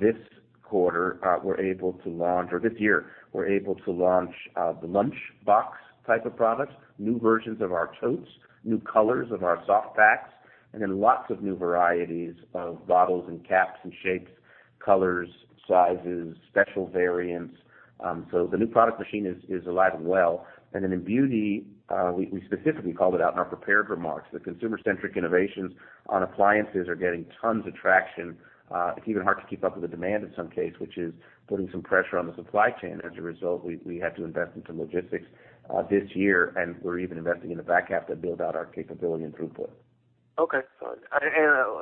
this quarter, were able to launch, or this year, were able to launch, the lunchbox type of products, new versions of our totes, new colors of our soft packs, lots of new varieties of bottles and caps and shapes, colors, sizes, special variants. The new product machine is alive and well. In Beauty, we specifically called it out in our prepared remarks, the consumer-centric innovations on appliances are getting tons of traction. It's even hard to keep up with the demand in some case, which is putting some pressure on the supply chain. As a result, we had to invest into logistics, this year, and we're even investing in the back half to build out our capability and throughput. Okay.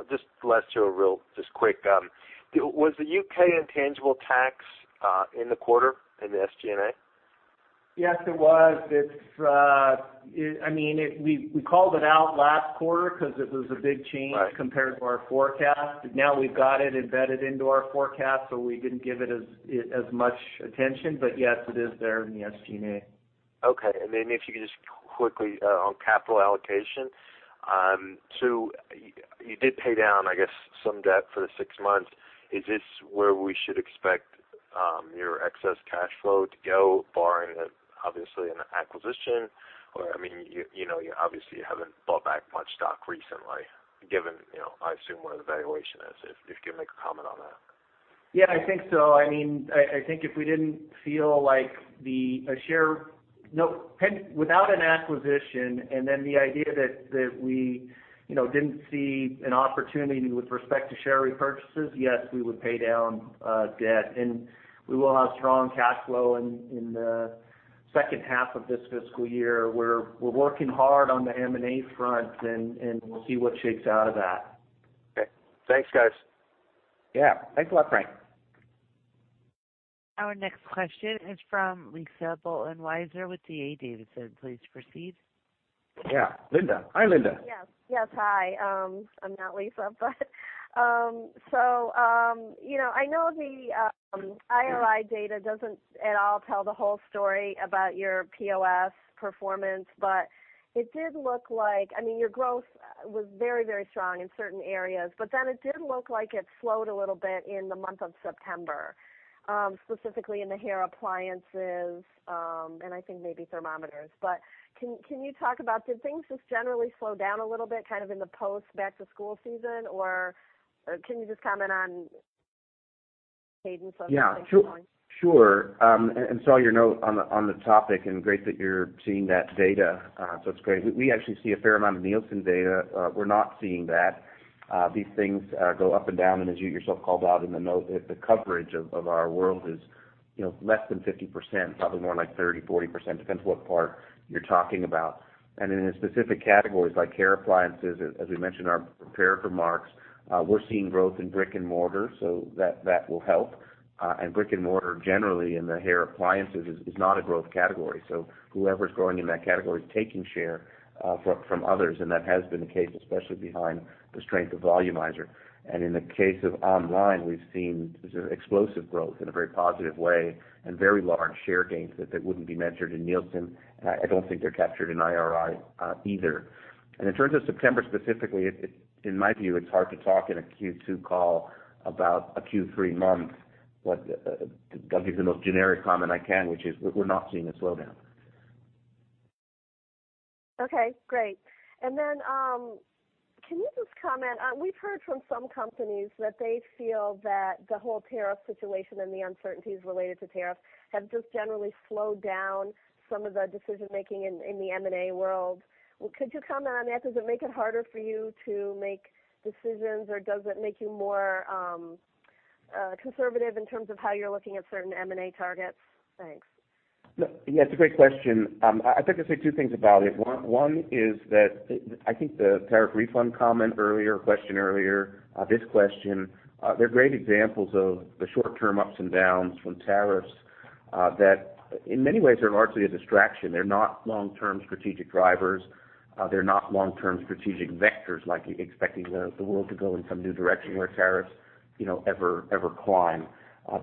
Just last two real, just quick. Was the U.K. intangible tax, in the quarter, in the SG&A? Yes, it was. We called it out last quarter because it was a big change compared to our forecast. Now we've got it embedded into our forecast, so we didn't give it as much attention. Yes, it is there in the SG&A. Okay. If you could, just quickly on capital allocation. You did pay down, I guess, some debt for the six months. Is this where we should expect your excess cash flow to go barring, obviously, an acquisition? Obviously, you haven't bought back much stock recently, given I assume where the valuation is. If you could make a comment on that. Yeah, I think so. Without an acquisition and then the idea that we didn't see an opportunity with respect to share repurchases, yes, we would pay down debt. We will have strong cash flow in the second half of this fiscal year, where we're working hard on the M&A front, and we'll see what shakes out of that. Okay. Thanks, guys. Yeah. Thanks a lot, Frank. Our next question is from Linda Bolton Weiser with D.A. Davidson. Please proceed. Yeah, Linda. Hi, Linda. Yes, hi. I'm not Lisa. I know the IRI data doesn't at all tell the whole story about your POS performance. It did look like your growth was very strong in certain areas. It did look like it slowed a little bit in the month of September, specifically in the hair appliances, and I think maybe thermometers. Can you talk about, did things just generally slow down a little bit in the post back to school season? Can you just comment on cadence of things going? Yeah, sure. Saw your note on the topic and great that you're seeing that data. It's great. We actually see a fair amount of Nielsen data. We're not seeing that. These things go up and down, and as you yourself called out in the note, the coverage of our world is less than 50%, probably more like 30%-40%, depends what part you're talking about. In specific categories like hair appliances, as we mentioned in our prepared remarks, we're seeing growth in brick and mortar, so that will help. Brick and mortar generally in the hair appliances is not a growth category. Whoever's growing in that category is taking share from others, and that has been the case, especially behind the strength of Volumizer. In the case of online, we've seen explosive growth in a very positive way and very large share gains that wouldn't be measured in Nielsen. I don't think they're captured in IRI either. In terms of September specifically, in my view, it's hard to talk in a Q2 call about a Q3 month, but I'll give you the most generic comment I can, which is we're not seeing a slowdown. Okay, great. Can you just comment, we've heard from some companies that they feel that the whole tariff situation and the uncertainties related to tariffs have just generally slowed down some of the decision making in the M&A world. Could you comment on that? Does it make it harder for you to make decisions, or does it make you more conservative in terms of how you're looking at certain M&A targets? Thanks. Yeah, it's a great question. I'd like to say two things about it. One is that I think the tariff refund comment earlier, question earlier, this question, they're great examples of the short term ups and downs from tariffs, that in many ways are largely a distraction. They're not long term strategic drivers. They're not long term strategic vectors, like expecting the world to go in some new direction where tariffs ever climb.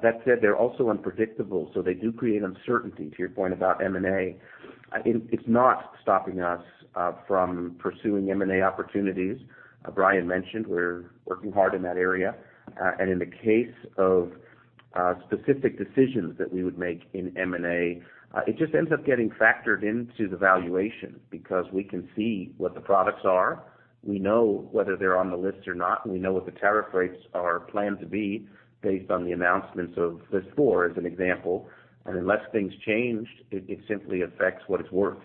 That said, they're also unpredictable, so they do create uncertainty. To your point about M&A, it's not stopping us from pursuing M&A opportunities. Brian mentioned we're working hard in that area. In the case of specific decisions that we would make in M&A, it just ends up getting factored into the valuation because we can see what the products are. We know whether they're on the list or not. We know what the tariff rates are planned to be based on the announcements of this quarter, as an example. Unless things change, it simply affects what it's worth.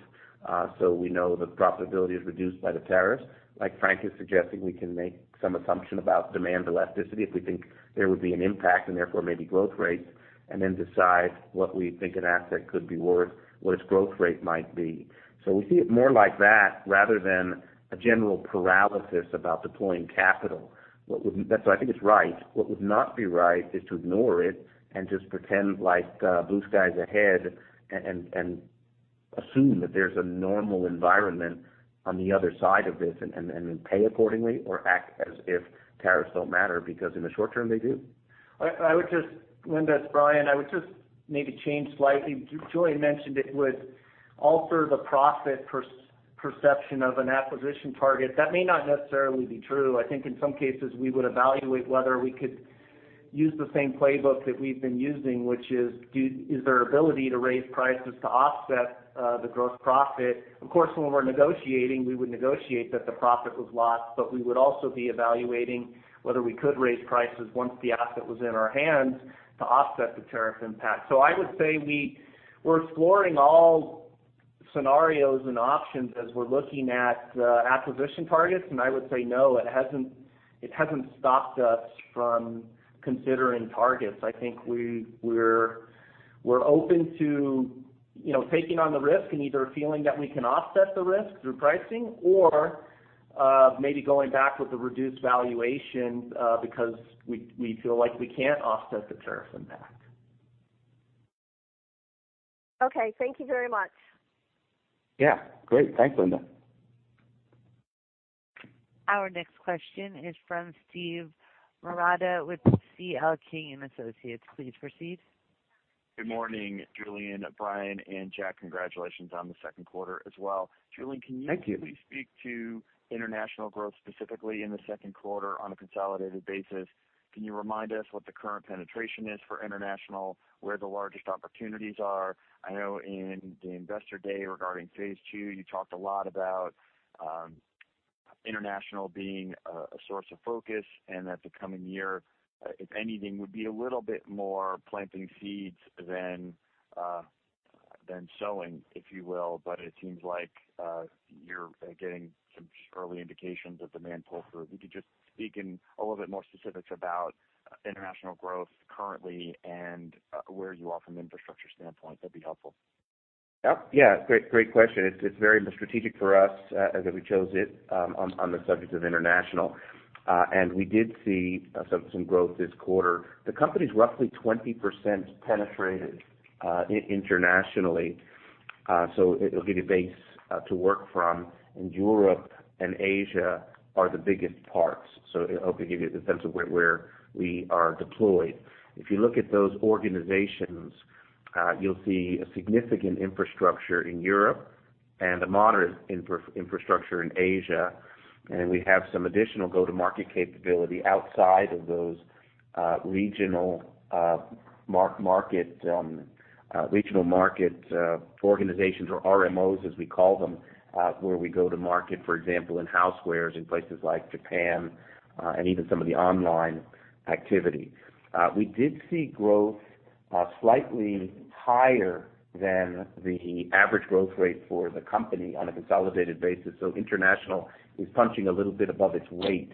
We know the profitability is reduced by the tariffs. Like Frank is suggesting, we can make some assumption about demand elasticity if we think there would be an impact and therefore maybe growth rates, and then decide what we think an asset could be worth, what its growth rate might be. We see it more like that rather than a general paralysis about deploying capital. I think it's right. What would not be right is to ignore it and just pretend like blue skies ahead and assume that there's a normal environment on the other side of this, and then pay accordingly or act as if tariffs don't matter, because in the short term, they do. Linda, it's Brian. I would just maybe change slightly. Julien mentioned it would alter the profit perception of an acquisition target. That may not necessarily be true. I think in some cases, we would evaluate whether we could use the same playbook that we've been using, which is their ability to raise prices to offset the gross profit. Of course, when we're negotiating, we would negotiate that the profit was lost, but we would also be evaluating whether we could raise prices once the asset was in our hands to offset the tariff impact. I would say we're exploring all scenarios and options as we're looking at acquisition targets, and I would say, no, it hasn't stopped us from considering targets. I think we're open to taking on the risk and either feeling that we can offset the risk through pricing or. Of maybe going back with the reduced valuation because we feel like we can't offset the tariff impact. Okay, thank you very much. Yeah, great. Thanks, Linda. Our next question is from Steve Marotta with C.L. King & Associates. Please proceed. Good morning, Julien, Brian, and Jack. Congratulations on the second quarter as well. Thank you. Julien, can you please speak to international growth, specifically in the second quarter on a consolidated basis? Can you remind us what the current penetration is for international? Where the largest opportunities are? I know in the Investor Day regarding phase II, you talked a lot about international being a source of focus and that the coming year, if anything, would be a little bit more planting seeds than sowing, if you will. It seems like you're getting some early indications of demand pull-through. If you could just speak in a little bit more specifics about international growth currently and where you are from infrastructure standpoint, that'd be helpful. Yeah. Great question. It's very strategic for us, as we chose it, on the subject of international. We did see some growth this quarter. The company's roughly 20% penetrated internationally. It'll be the base to work from, and Europe and Asia are the biggest parts. I hope I give you a sense of where we are deployed. If you look at those organizations, you'll see a significant infrastructure in Europe and a moderate infrastructure in Asia. We have some additional go-to-market capability outside of those regional market organizations or RMOs, as we call them, where we go to market, for example, in Housewares, in places like Japan, and even some of the online activity. We did see growth slightly higher than the average growth rate for the company on a consolidated basis, international is punching a little bit above its weight.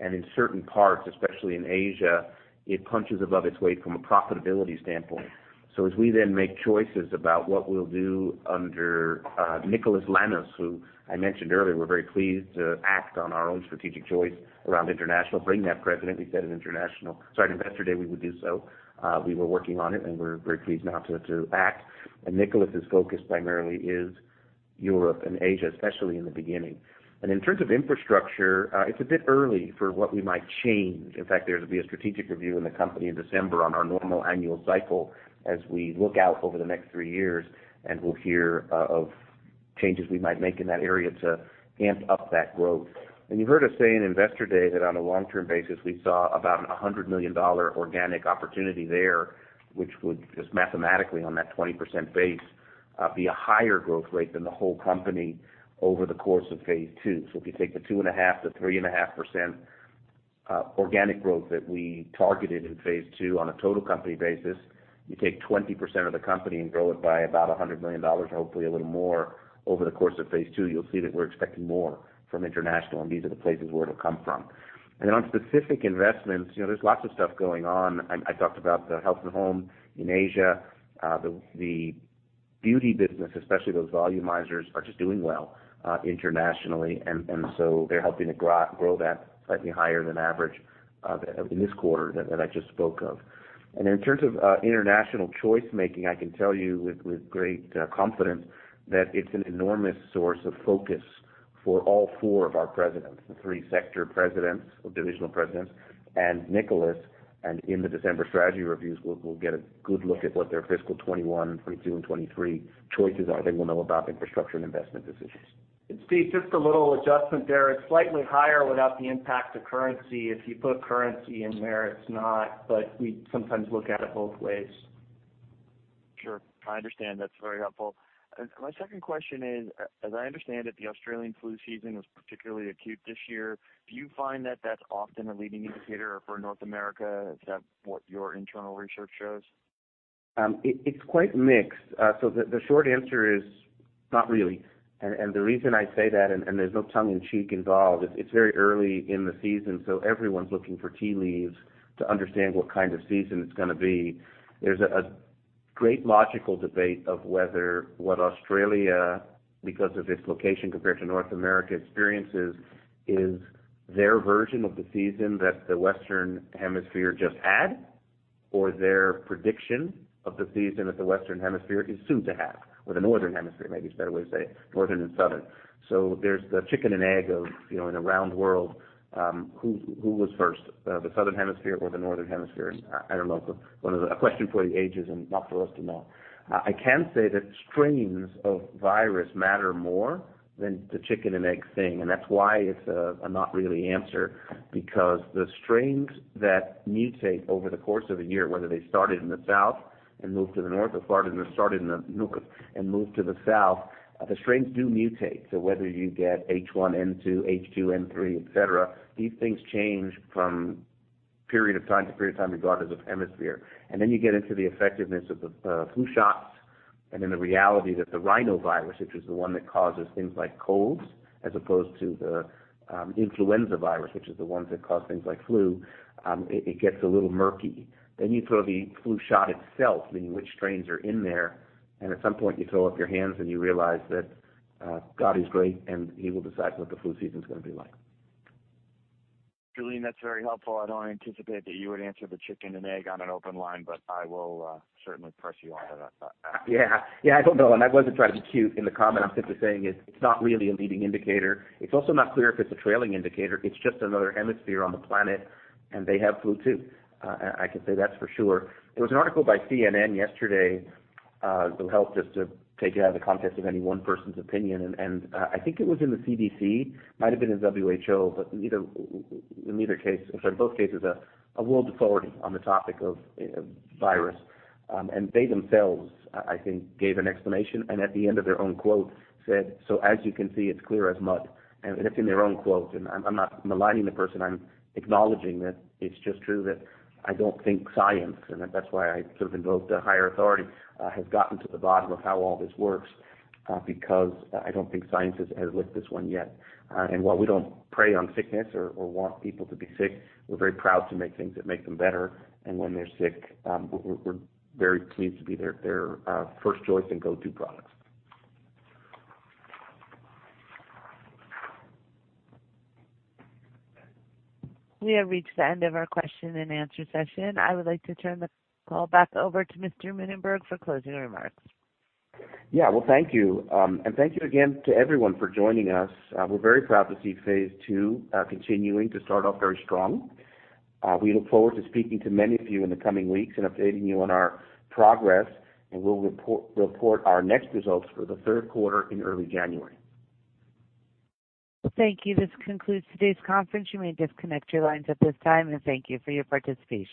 In certain parts, especially in Asia, it punches above its weight from a profitability standpoint. As we then make choices about what we'll do under Nicholas Lannis, who I mentioned earlier, we're very pleased to act on our own strategic choice around international, bring that president. We said at Investor Day we would do so. We were working on it, and we're very pleased now to act. Nicholas' focus primarily is Europe and Asia, especially in the beginning. In terms of infrastructure, it's a bit early for what we might change. In fact, there'll be a strategic review in the company in December on our normal annual cycle as we look out over the next three years. We'll hear of changes we might make in that area to amp up that growth. You heard us say in Investor Day that on a long-term basis, we saw about a $100 million organic opportunity there, which would, just mathematically on that 20% base, be a higher growth rate than the whole company over the course of phase two. If you take the 2.5%-3.5% organic growth that we targeted in phase two on a total company basis, you take 20% of the company and grow it by about $100 million, hopefully a little more, over the course of phase two, you'll see that we're expecting more from international. These are the places where it'll come from. On specific investments, there's lots of stuff going on. I talked about the health and home in Asia. The beauty business, especially those volumizers, are just doing well internationally. They're helping to grow that slightly higher than average in this quarter that I just spoke of. In terms of international choice-making, I can tell you with great confidence that it's an enormous source of focus for all four of our presidents, the three sector presidents or divisional presidents, and Nicholas. In the December strategy reviews, we'll get a good look at what their fiscal 2021, 2022, and 2023 choices are. They will know about infrastructure and investment decisions. Steve, just a little adjustment there. It's slightly higher without the impact of currency. If you put currency in there, it's not, but we sometimes look at it both ways. Sure. I understand. That's very helpful. My second question is, as I understand it, the Australian flu season was particularly acute this year. Do you find that that's often a leading indicator for North America? Is that what your internal research shows? It's quite mixed. The short answer is not really. The reason I say that, and there's no tongue in cheek involved, it's very early in the season, so everyone's looking for tea leaves to understand what kind of season it's gonna be. There's a great logical debate of whether what Australia, because of its location compared to North America experiences, is their version of the season that the Western Hemisphere just had, or their prediction of the season that the Western Hemisphere is soon to have. The Northern Hemisphere, maybe is a better way to say it, Northern and Southern. There's the chicken and egg of, in a round world, who was first, the Southern Hemisphere or the Northern Hemisphere? I don't know. A question for the ages and not for us to know. I can say that strains of virus matter more than the chicken and egg thing, that's why it's a "not really" answer. The strains that mutate over the course of a year, whether they started in the south and moved to the north or started in the north and moved to the south, the strains do mutate. Whether you get H1N1, H3N2, et cetera, these things change from period of time to period of time regardless of hemisphere. Then you get into the effectiveness of the flu shots and then the reality that the rhinovirus, which is the one that causes things like colds, as opposed to the influenza virus, which is the ones that cause things like flu, it gets a little murky. You throw the flu shot itself, meaning which strains are in there. At some point you throw up your hands and you realize that God is great, and he will decide what the flu season's going to be like. Julien, that's very helpful. I don't anticipate that you would answer the chicken and egg on an open line, but I will certainly press you on that. Yeah. I don't know. I wasn't trying to be cute in the comment. I'm simply saying it's not really a leading indicator. It's also not clear if it's a trailing indicator. It's just another hemisphere on the planet, and they have flu too. I can say that for sure. There was an article by CNN yesterday, that will help just to take it out of the context of any one person's opinion, and I think it was in the CDC, might've been in WHO, but in both cases, a world authority on the topic of virus. They themselves, I think gave an explanation and at the end of their own quote said, "As you can see, it's clear as mud." It's in their own quote, and I'm not maligning the person. I'm acknowledging that it's just true that I don't think science, and that's why I sort of invoked a higher authority, has gotten to the bottom of how all this works, because I don't think science has licked this one yet. While we don't prey on sickness or want people to be sick, we're very proud to make things that make them better. When they're sick, we're very pleased to be their first choice and go-to products. We have reached the end of our question and answer session. I would like to turn the call back over to Mr. Mininberg for closing remarks. Well, thank you. Thank you again to everyone for joining us. We're very proud to see phase II continuing to start off very strong. We look forward to speaking to many of you in the coming weeks and updating you on our progress. We'll report our next results for the third quarter in early January. Thank you. This concludes today's conference. You may disconnect your lines at this time, and thank you for your participation.